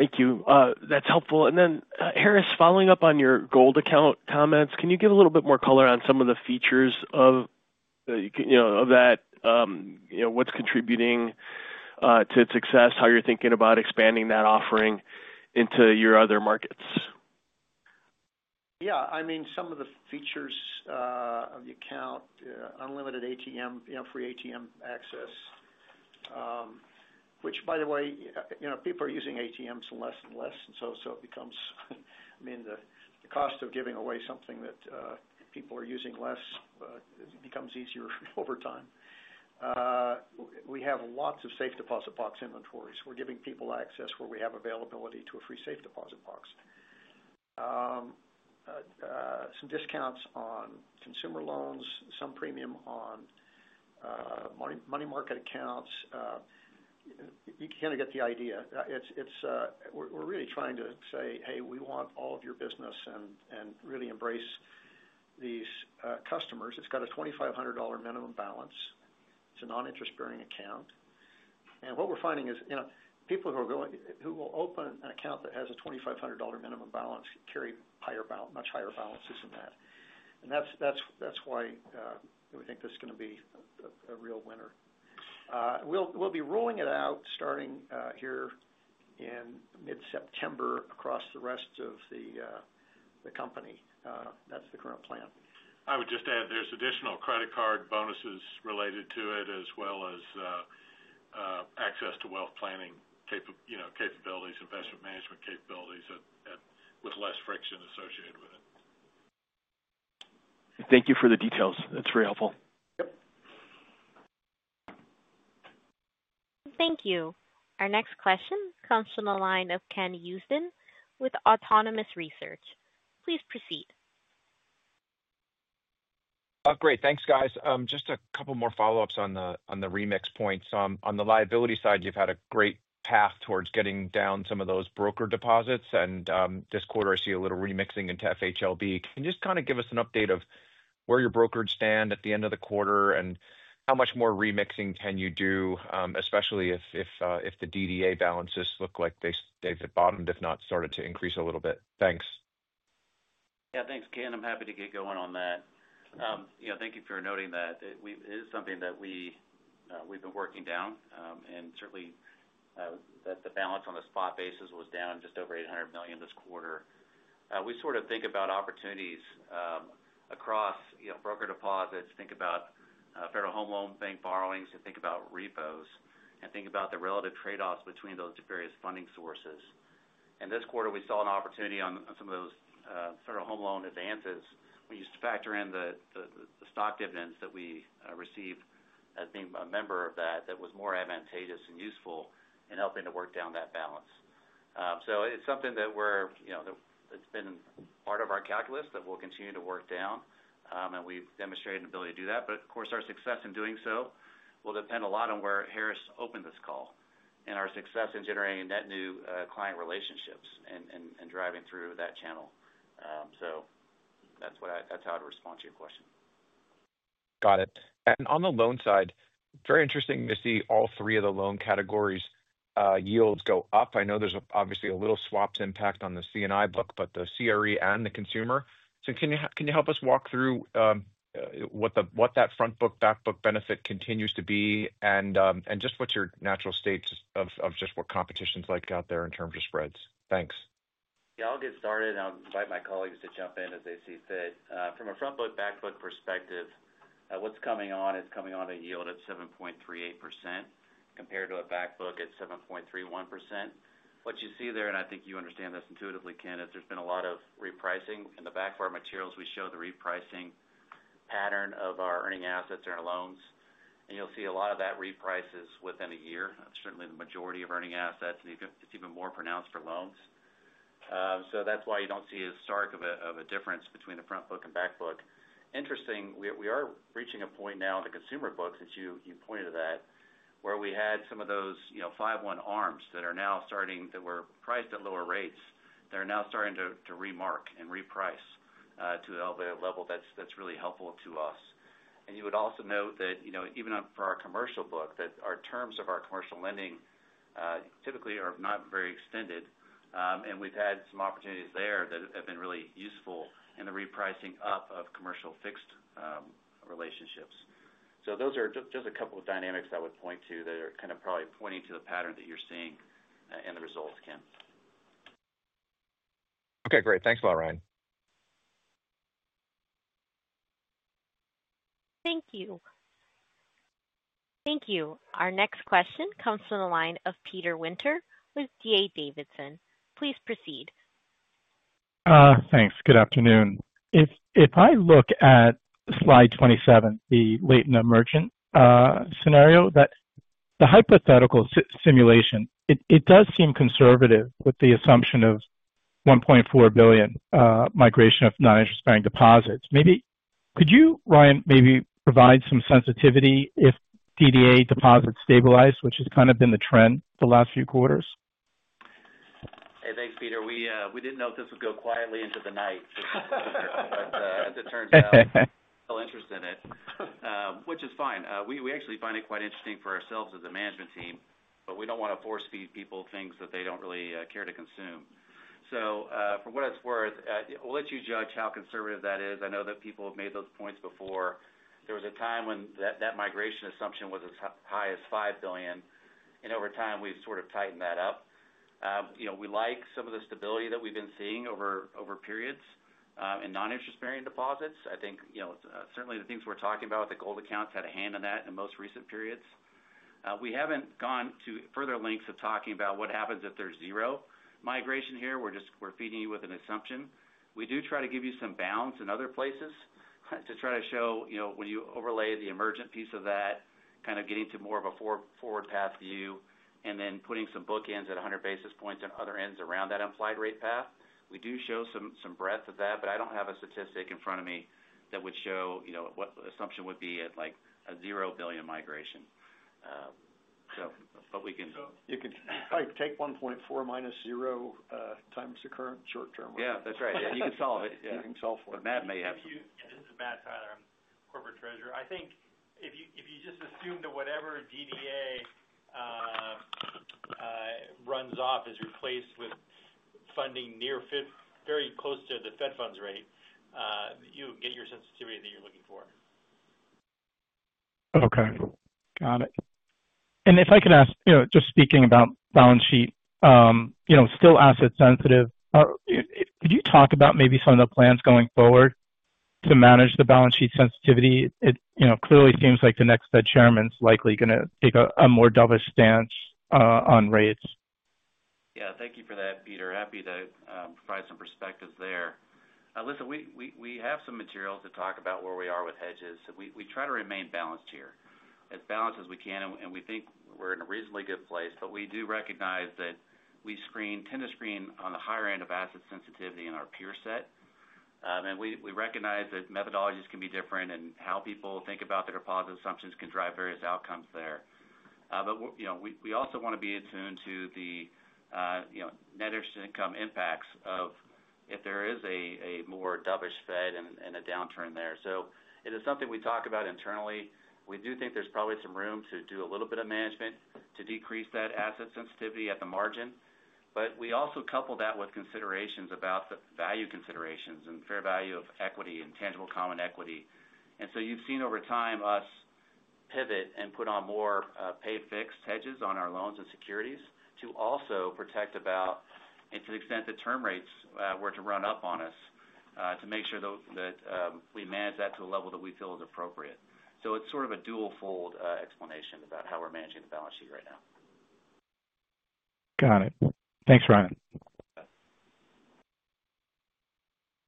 Thank you. That's helpful. And then Harris, following up on your gold account comments, can you give a little bit more color on some of the features of that? What's contributing to its success? How you're thinking about expanding that offering into your other markets? Yes. I mean some of the features of the account unlimited ATM free ATM access, which by the way people are using ATMs less and less. And so it becomes I mean the cost of giving away something that people are using less becomes easier over time. We have lots of safe deposit box inventories. We're giving people access where we have availability to a free safe deposit box. Some discounts on consumer loans, premium on money market accounts. You kind of get the idea. It's we're really trying to say, hey, we want all of your business and really embrace these customers. It's got a $2,500 minimum balance. It's a non interest bearing account. And what we're finding is people who are going who will open an account that has a $2,500 minimum balance carry higher balance much higher balances than that. And that's why we think this is going to be a real winner. We'll be rolling it out starting here in mid September across the rest of the company. That's the current plan. I would just add there's additional credit card bonuses related to it as well as access to wealth planning capabilities, investment management capabilities with less friction associated with it. Thank you for the details. That's very helpful. Thank you. Our next question comes from the line of Ken Usdin with Autonomous Research. Please proceed. Great. Thanks guys. Just a couple more follow ups on the remix points. On the liability side, you've had a great path towards getting down some of those broker deposits. And this quarter, I see a little remixing into FHLB. Can you just kind of give us an update of where your brokerage stand at the end of the quarter? And how much more remixing can you do, especially if the DDA balances look like they've bottomed, if not started to increase a little bit? Thanks. Thanks, Ken. I'm happy to get going on that. Thank you for noting that. It is something that we've been working down. And certainly, the balance on a spot basis was down just over $800,000,000 this quarter. We sort of think about opportunities across broker deposits, think about Federal Home Loan Bank borrowings and think about repos and think about the relative trade offs between those various funding sources. And this quarter, we saw an opportunity on some of those sort of home loan advances. We used to factor in the stock dividends that we received as being a member of that, that was more advantageous and useful in helping to work down that balance. So it's something that we're it's been part of our calculus that we'll continue to work down, and we've demonstrated an ability to do that. But of course, our success in doing so will depend a lot on where Harris opened this call and our success in generating net new client relationships and driving through that channel. So that's what I that's how I'd respond to your question. Got it. And on the loan side, very interesting to see all three of the loan categories yields go up. I know there's obviously a little swaps impact on the C and I book, but the CRE and the consumer. So can you help us walk through what that front book, back book benefit continues to be? And just what's your natural state of just what competition is like out there in terms of spreads? Thanks. Yes. I'll get started and I'll invite my colleagues to jump in as they see fit. From a front bookback book perspective, what's coming on is coming on a yield of 7.38% compared to a back book at 7.31%. What you see there and I think you understand this intuitively Ken is there's been a lot of repricing. In the back of our materials, we show the repricing pattern of our earning assets and our loans. And you'll see a lot of that reprice within a year, certainly the majority of earning assets and it's even more pronounced for loans. So that's why you don't see a stark of a difference between the front book and back book. Interesting, we are reaching a point now in the consumer books as you pointed to that, where we had some of those fiveone ARMs that are now starting that were priced at lower rates, they're now starting to remark and reprice to the elevated level that's really helpful to us. You would also note that even for our commercial book that our terms of our commercial lending typically are not very extended. And we've had some opportunities there that have been really useful in the repricing up of commercial fixed relationships. So those are just a couple of dynamics I would point to that are kind of probably pointing to the pattern that you're seeing in the results, Ken. Okay, great. Thanks a lot, Ryan. Thank you. Thank you. Our next question comes from the line of Peter Winter with D. A. Davidson. Please proceed. Thanks. Good afternoon. If I look at Slide 27, the latent emergent scenario that the hypothetical simulation, it does seem conservative with the assumption of $1,400,000,000 migration of noninterest bearing deposits. Maybe could you, Ryan, maybe provide some sensitivity if DDA deposits stabilize, which has kind of been the trend the last few quarters? Hey, thanks Peter. We didn't know if this would go quietly into the night. But as it turns out, still interested in it, which is fine. We actually find it quite interesting for ourselves as a management team, but we don't want to force feed people things that they don't really care to consume. So for what it's worth, we'll let you judge how conservative that is. I know that people have made those points before. There was a time when that migration assumption was as high as $5,000,000,000 And over time, we've sort of tightened that up. We like some of the stability that we've been seeing over periods in noninterest bearing deposits. I think certainly, the things we're talking about, the gold accounts had a hand in that in most recent periods. We haven't gone to further lengths of talking about what happens if there's zero migration here. We're just we're feeding you with an assumption. We do try to give you some bounds in other places to try to show when you overlay the emergent piece of that kind of getting to more of a forward path view and then putting some bookends at 100 basis points and other ends around that implied rate path, we do show some breadth of that, but I don't have a statistic in front of me that would show what assumption would be at like a $0 migration. But we can You could take 1.4 times the current short term. Yes, that's right. You can solve it. You can solve it. But Matt may have This is Matt Tyler, Corporate Treasurer. I think if you just assume that whatever DDA runs off is replaced with funding near fit very close to the Fed funds rate, you get your sensitivity that you're looking for. Okay. Got it. And if I can ask, just speaking about balance sheet, still asset sensitive. Could you talk about maybe some of the plans going forward to manage the balance sheet sensitivity? It clearly seems like the next Fed Chairman is likely going to take a more dovish stance on rates. Yes. Thank you for that, Peter. Happy to provide some perspectives there. Listen, we have some materials to talk about where we are with hedges. We try to remain balanced here, as balanced as we can, and we think we're in a reasonably good place. But we do recognize that we screen tend to screen on the higher end of asset sensitivity in our peer set. And we recognize that methodologies can be different and how people think about their deposit assumptions can drive various outcomes there. But we also want to be attuned to the net interest income impacts of if there is a more dovish Fed and a downturn there. So it is something we talk about internally. We do think there's probably some room to do a little bit of management to decrease that asset sensitivity at the margin. But we also couple that with considerations about the value considerations and fair value of equity and tangible common equity. And so you've seen over time us pivot and put on more pay fixed hedges on our loans and securities to also protect about to the extent the term rates were to run up on us, to make sure that we manage that to a level that we feel is appropriate. So it's sort of a dual fold explanation about how we're managing the balance sheet right now. Got it. Thanks, Ryan.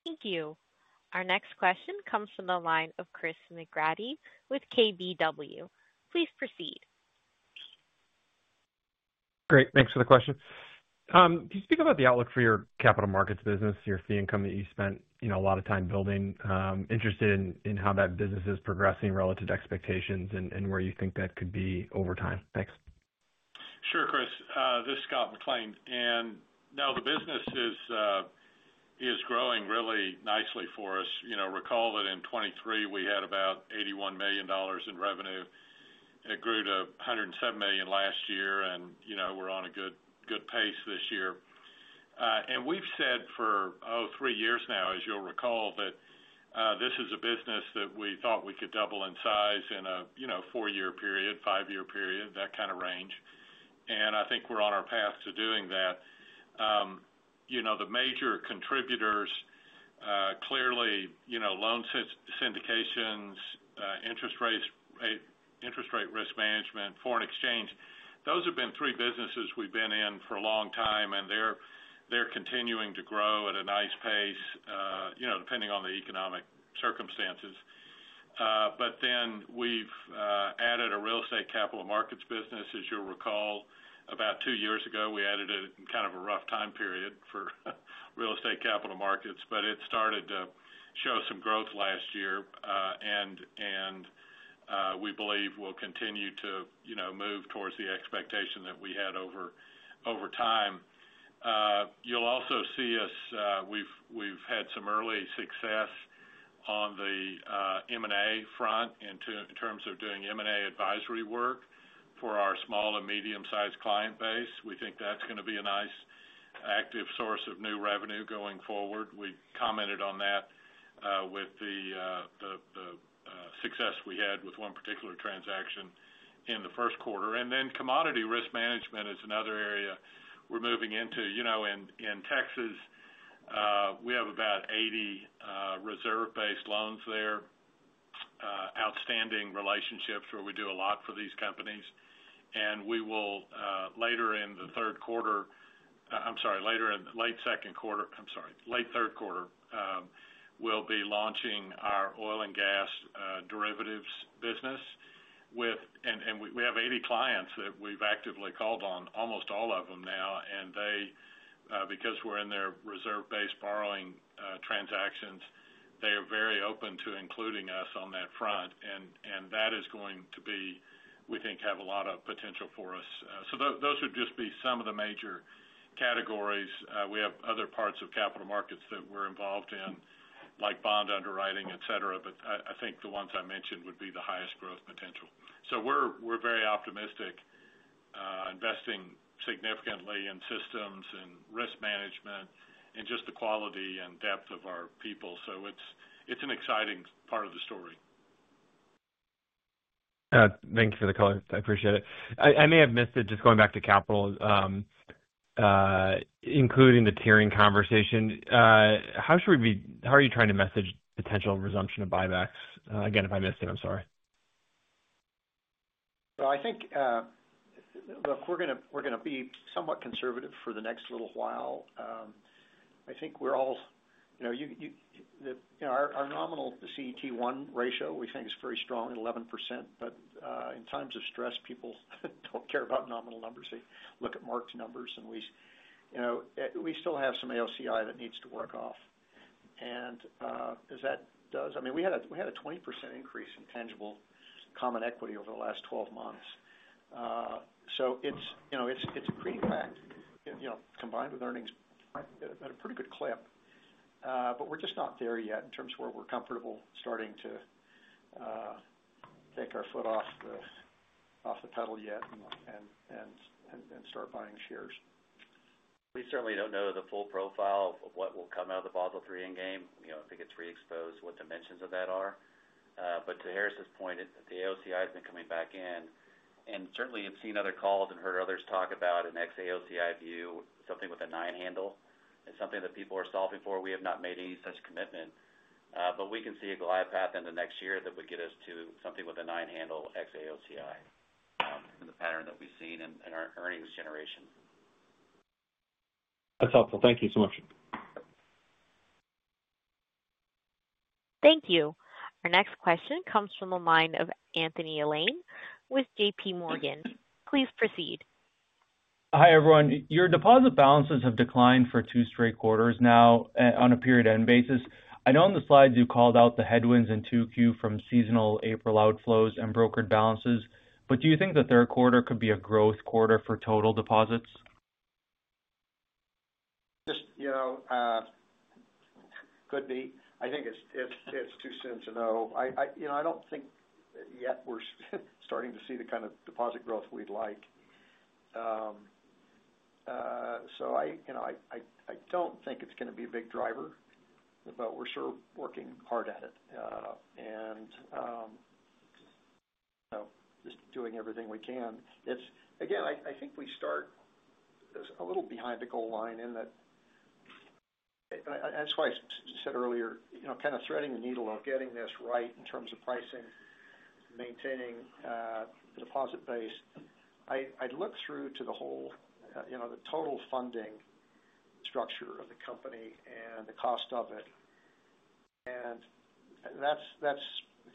Thank you. Our next question comes from the line of Chris McGratty with KBW. Please proceed. Great. Thanks for the question. Can you speak about the outlook for your capital markets business, your fee income that you spent a lot of time building? Interested in how that business is progressing relative to expectations and where you think that could be over time? Thanks. Sure, Chris. This is Scott McLean. And now the business is growing really nicely for us. Recall that in 2023, we had about $81,000,000 in revenue and it grew to $107,000,000 last year and we're on a good pace this year. And we've said for three years now, as you'll recall, that, this is a business that we thought we could double in size in a four year period, five year period, that kind of range. And I think we're on our path to doing that. The major contributors, clearly loan syndications, interest rate risk management, foreign exchange, those have been three businesses we've been in for a long time and they're continuing to grow at a nice pace, depending on the economic circumstances. But then we've added a real estate capital markets business. As you'll recall, about two years ago, we added it in kind of a rough time period for real estate capital markets, but it started to show some growth last year, and we believe we'll continue to move towards the expectation that we had over time. You'll also see us, we've had some early success on the M and A front in terms of doing M and A advisory work for our small and medium sized client base. We think that's going to be a nice active source of new revenue going forward. We commented on that, with the success we had with one particular transaction in the first quarter. And then commodity risk management is another area we're moving into. In Texas, we have about 80 reserve based loans outstanding relationships where we do a lot for these companies. And we will, later in the third quarter I'm sorry, later in late second quarter I'm sorry, late third quarter, we'll be launching our oil and gas derivatives business with and we have 80 clients that we've actively called on, almost all of them now. And they, because we're in their reserve based borrowing transactions, they are very open to including us on that front. And that is going to be, we think, have a lot of potential for us. So those would just be some of the major categories. We have other parts of capital markets that we're involved in, like bond underwriting, etcetera. But I think the ones I mentioned would be the highest growth potential. So we're very optimistic, investing significantly in systems and risk management and just the quality and depth of our people. So it's an exciting part of the story. Thanks for the color. I appreciate it. I may have missed it just going back to capital, including the tiering conversation. How should we be how are you trying to message potential resumption of buybacks? Again, if I missed it, I'm sorry. Well, I think, look, we're going to be somewhat conservative for the next little while. I think we're all our nominal CET1 ratio, we think is very strong at 11%. But in times of stress, people don't care about nominal numbers. They look at Mark's numbers and we still have some AOCI that needs to work off. And as that does, I mean, 20 had percent increase in tangible common equity over the last twelve months. So it's pretty flat combined with earnings at a pretty good clip. But we're just not there yet in terms of where we're comfortable starting to take our foot off the pedal yet and start buying shares. We certainly don't know the full profile of what will come out of the Basel III endgame. I think it's re exposed what dimensions of that are. But to Harris' point, the AOCI has been coming back in. And certainly, you've seen other calls and heard others talk about an ex AOCI view, something with a nine handle. It's something that people are solving for. We have not made any such commitment. But we can see a glide path into next year that would get us to something with a nine handle ex AOCI and the pattern that we've seen in our earnings generation. That's helpful. Thank you so much. Thank you. Our next question comes from the line of Anthony Elain with JPMorgan. Please proceed. Hi, everyone. Your deposit balances have declined for two straight quarters now on a period end basis. I know on the slides you called out the headwinds in 2Q from seasonal April outflows and brokered balances. But do you think the third quarter could be a growth quarter for total deposits? Just could be. I think it's too soon to know. I don't think yet we're starting to see the kind of deposit growth we'd like. So I don't think it's going to be a big driver, but we're sure working hard at it. And just doing everything we can. It's again, I think we start a little behind the goal line in that and that's why I said earlier, kind of threading the needle of getting this right in terms of pricing, maintaining the deposit base. I'd look through to the whole the total funding structure of the company and the cost of it. And that's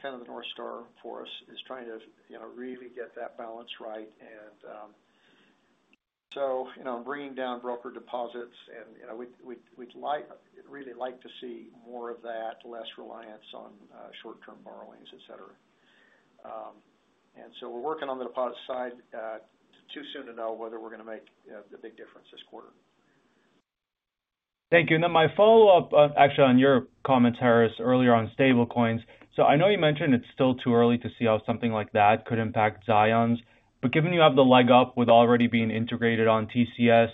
kind of the North Star for us is trying to really get that balance right. And so bringing down broker deposits and we'd like really like to see more of that less reliance on short term borrowings, etcetera. And so we're working on the deposit side too soon to know whether we're going to make the big difference this quarter. Thank you. And then my follow-up actually on your comments, Harris, earlier on stablecoins. So I know you mentioned it's still too early to see how something like that could impact Zions. But given you have the leg up with already being integrated on TCS,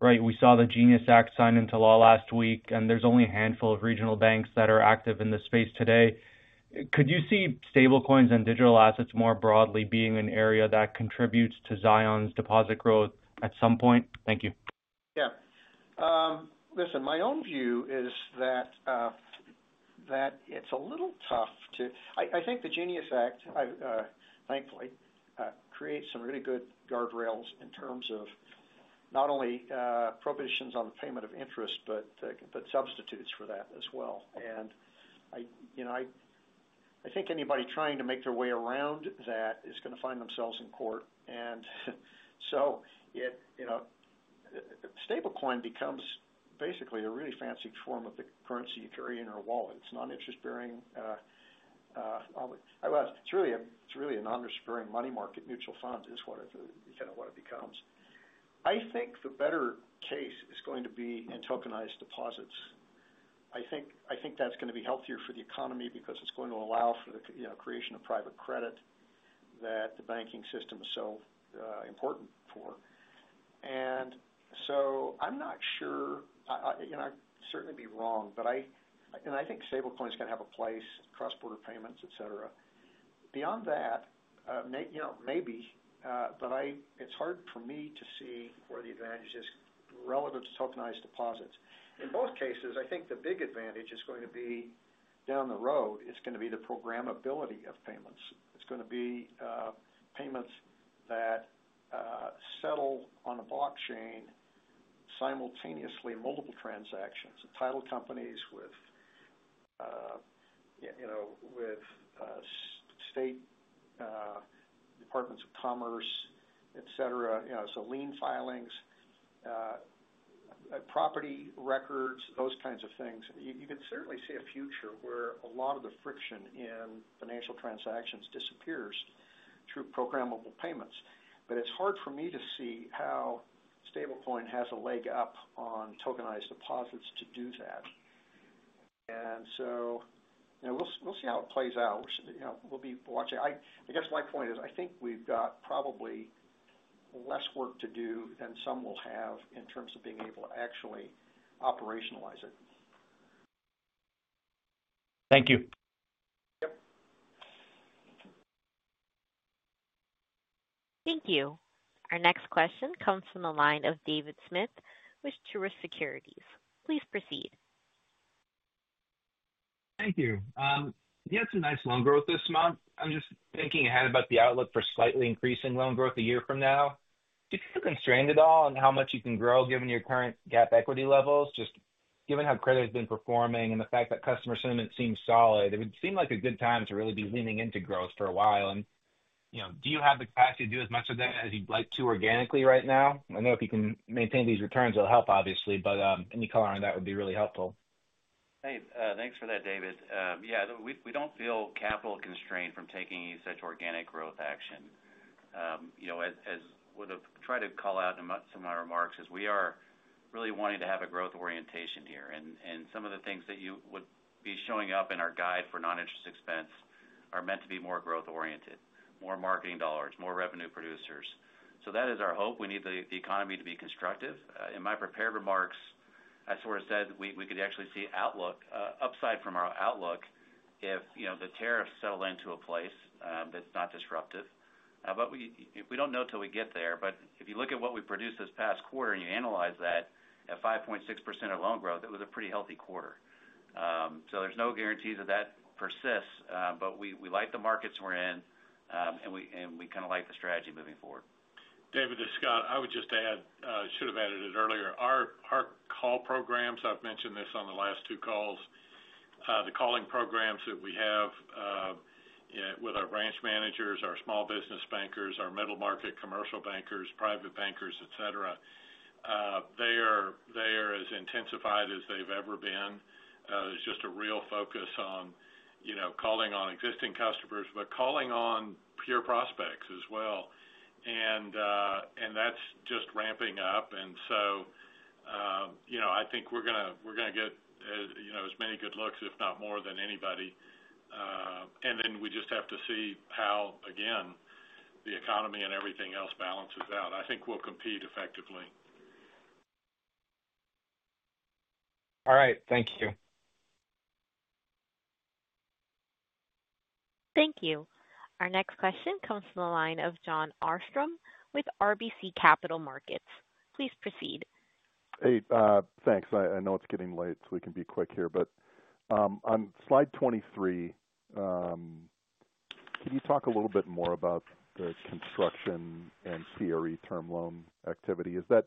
right, we saw the Genius Act signed into law last week and there's only a handful of regional banks that are active in this space today. Could you see stablecoins and digital assets more broadly being an area that contributes to Zion's deposit growth at some point? Thank you. Yes. Listen, my own view is that it's a little tough to I think the Genius Act, thankfully, creates some really good guardrails in terms of not only provisions on the payment of interest, but substitutes for that as well. And I think anybody trying to make their way around that is going to find themselves in court. And so stablecoin becomes basically a really fancy form of the currency you carry in your wallet. It's non interest bearing. It's really a non interest bearing money market mutual fund is what it becomes. I think the better case is going to be in tokenized deposits. I think that's going to be healthier for the economy because it's going to allow for the creation of private credit that the banking system is so important for. And so I'm not sure I'd certainly be wrong, but I think stablecoin is going to have a place, cross border payments, etcetera. Beyond that, maybe, but I it's hard for me to see where the advantage is relative to tokenized deposits. In both cases, I think the big advantage is going to be down the road, it's going to be the programmability of payments. It's going to be payments that settle on a blockchain simultaneously multiple transactions, title companies with state departments of commerce, etcetera. So lien filings, property records, those kinds of things. You can certainly see a future where a lot of the friction in financial transactions disappears through programmable payments. But it's hard for me to see how stablecoin has a leg up on tokenized deposits to do that. And so we'll see how it plays out. We'll be watching. I guess my point is, I think we've got probably less work to do than some will have in terms of being able to actually operationalize it. Thank you. Thank you. Our next question comes from the line of David Smith with Truist Securities. Please proceed. Thank you. You had some nice loan growth this month. I'm just thinking ahead about the outlook for slightly increasing loan growth a year from now. Do feel constrained at all on how much you can grow given your current GAAP equity levels, just given how credit has been performing and the fact that customer sentiment seems solid, it would seem like a good time to really be leaning into growth for a while. Do you have the capacity to do as much of that as you'd like to organically right now? I know if you can maintain these returns, it will help, but any color on that would be really helpful. Thanks for that, David. Yes, we don't feel capital constrained from taking such organic growth action. As I would have tried to call out in my remarks, we are really wanting to have a growth orientation here. And some of the things that you would be showing up in our guide for noninterest expense are meant to be more growth oriented, more marketing dollars, more revenue producers. So that is our hope. We need the economy to be constructive. In my prepared remarks, I sort of said we could actually see outlook upside from our outlook if the tariffs settle into a place that's not disruptive. But we don't know until we get there. But if you look at what we produced this past quarter and you analyze that at 5.6% of loan growth, it was a pretty healthy quarter. So there's no guarantees of that persists, but we like the markets we're in, and we kind of like the strategy moving forward. David, this is Scott. I would just add, I should have added it earlier. Our call programs, I've mentioned this on the last two calls, the calling programs that we have with our branch managers, our small business bankers, our middle market commercial bankers, private bankers, etcetera, they are as intensified as they've ever been. There's just a real focus on calling on existing customers, but calling on pure prospects as well. And that's just ramping up. And so, I think we're going to get as many good looks, if not more than anybody. And then we just have to see how, again, the economy and everything else balances out. I think we'll compete effectively. All right. Thank you. Thank you. Our next question comes from the line of Jon Arfstrom with RBC Capital Markets. Please proceed. Hey, thanks. I know it's getting late, we can be quick here. But on Slide 23, can you talk a little bit more about the construction and CRE term loan activity? Is that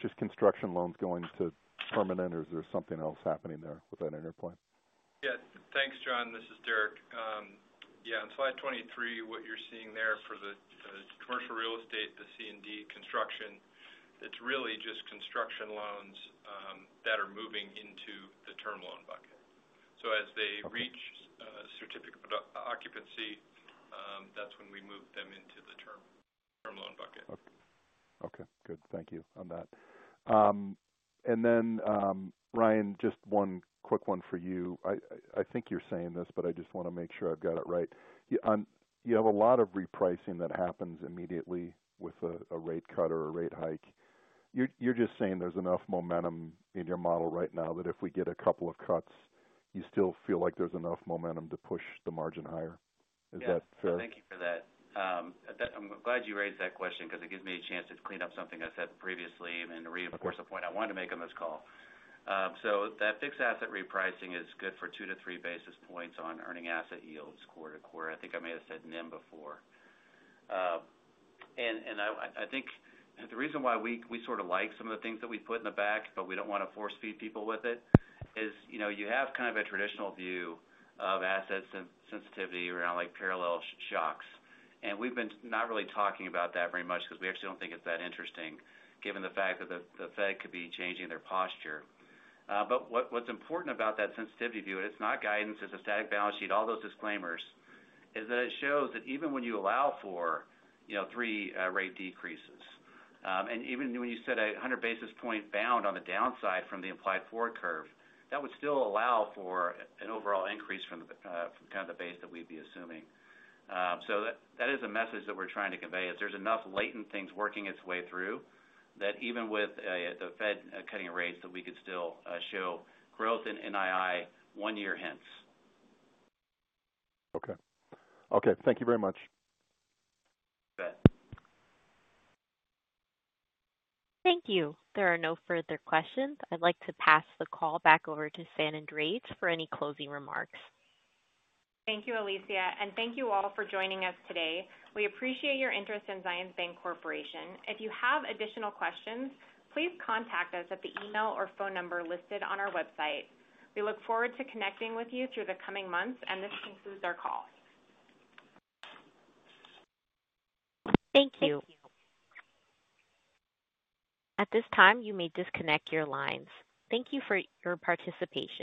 just construction loans going to permanent or is there something else happening there within Interpoint? Yes. Thanks, John. This is Derek. Yes, on Slide 23, what you're seeing there for the commercial real estate, the C and D construction, it's really just construction loans, that are moving into the term loan bucket. As they reach a certificate of occupancy, that's when we move them into the term loan bucket. Okay, good. Thank you on that. And then, Ryan, just one quick one for you. I think you're saying this, but I just want to make sure I've got it right. You have a lot of repricing that happens immediately with a rate cut or a rate hike. You're just saying there's enough momentum in your model right now that if we get a couple of cuts, you still feel like there's enough momentum to push the margin higher. Is Yes. That Thank you for that. I'm glad you raised that question because it gives me a chance to clean up something I said previously and reinforce a point I want to make on this call. So that fixed asset repricing is good for two to three basis points on earning asset yields quarter to quarter. I think I may have said before. And I think the reason why we sort of like some of the things that we put in the back, but we don't want to force feed people with it is you have kind of a traditional view of assets sensitivity around like parallel shocks. And we've been not really talking about that very much because we actually don't think it's that interesting given the fact that the Fed could be changing their posture. But what's important about that sensitivity view, it's not guidance, it's a static balance sheet, all those disclaimers is that it shows that even when you allow for three rate decreases. And even when you said a 100 basis point bound on the downside from the implied forward curve, that would still allow for an overall increase from kind of the base we'd be assuming. So that is a message that we're trying to convey. If there's enough latent things working its way through that even with the Fed cutting rates that we could still show growth in NII one year hence. Okay. Okay. Thank you very much. You bet. Thank you. There are no further questions. I'd like to pass the call back over to San Andres for any closing remarks. Thank you, Alicia, and thank you all for joining us today. We appreciate your interest in Zions Bank Corporation. If you have additional questions, please contact us at the e mail or phone number listed on our website. We look forward to connecting with you through the coming months, and this concludes Thank you. At this time, you may disconnect your lines. Thank you for your participation.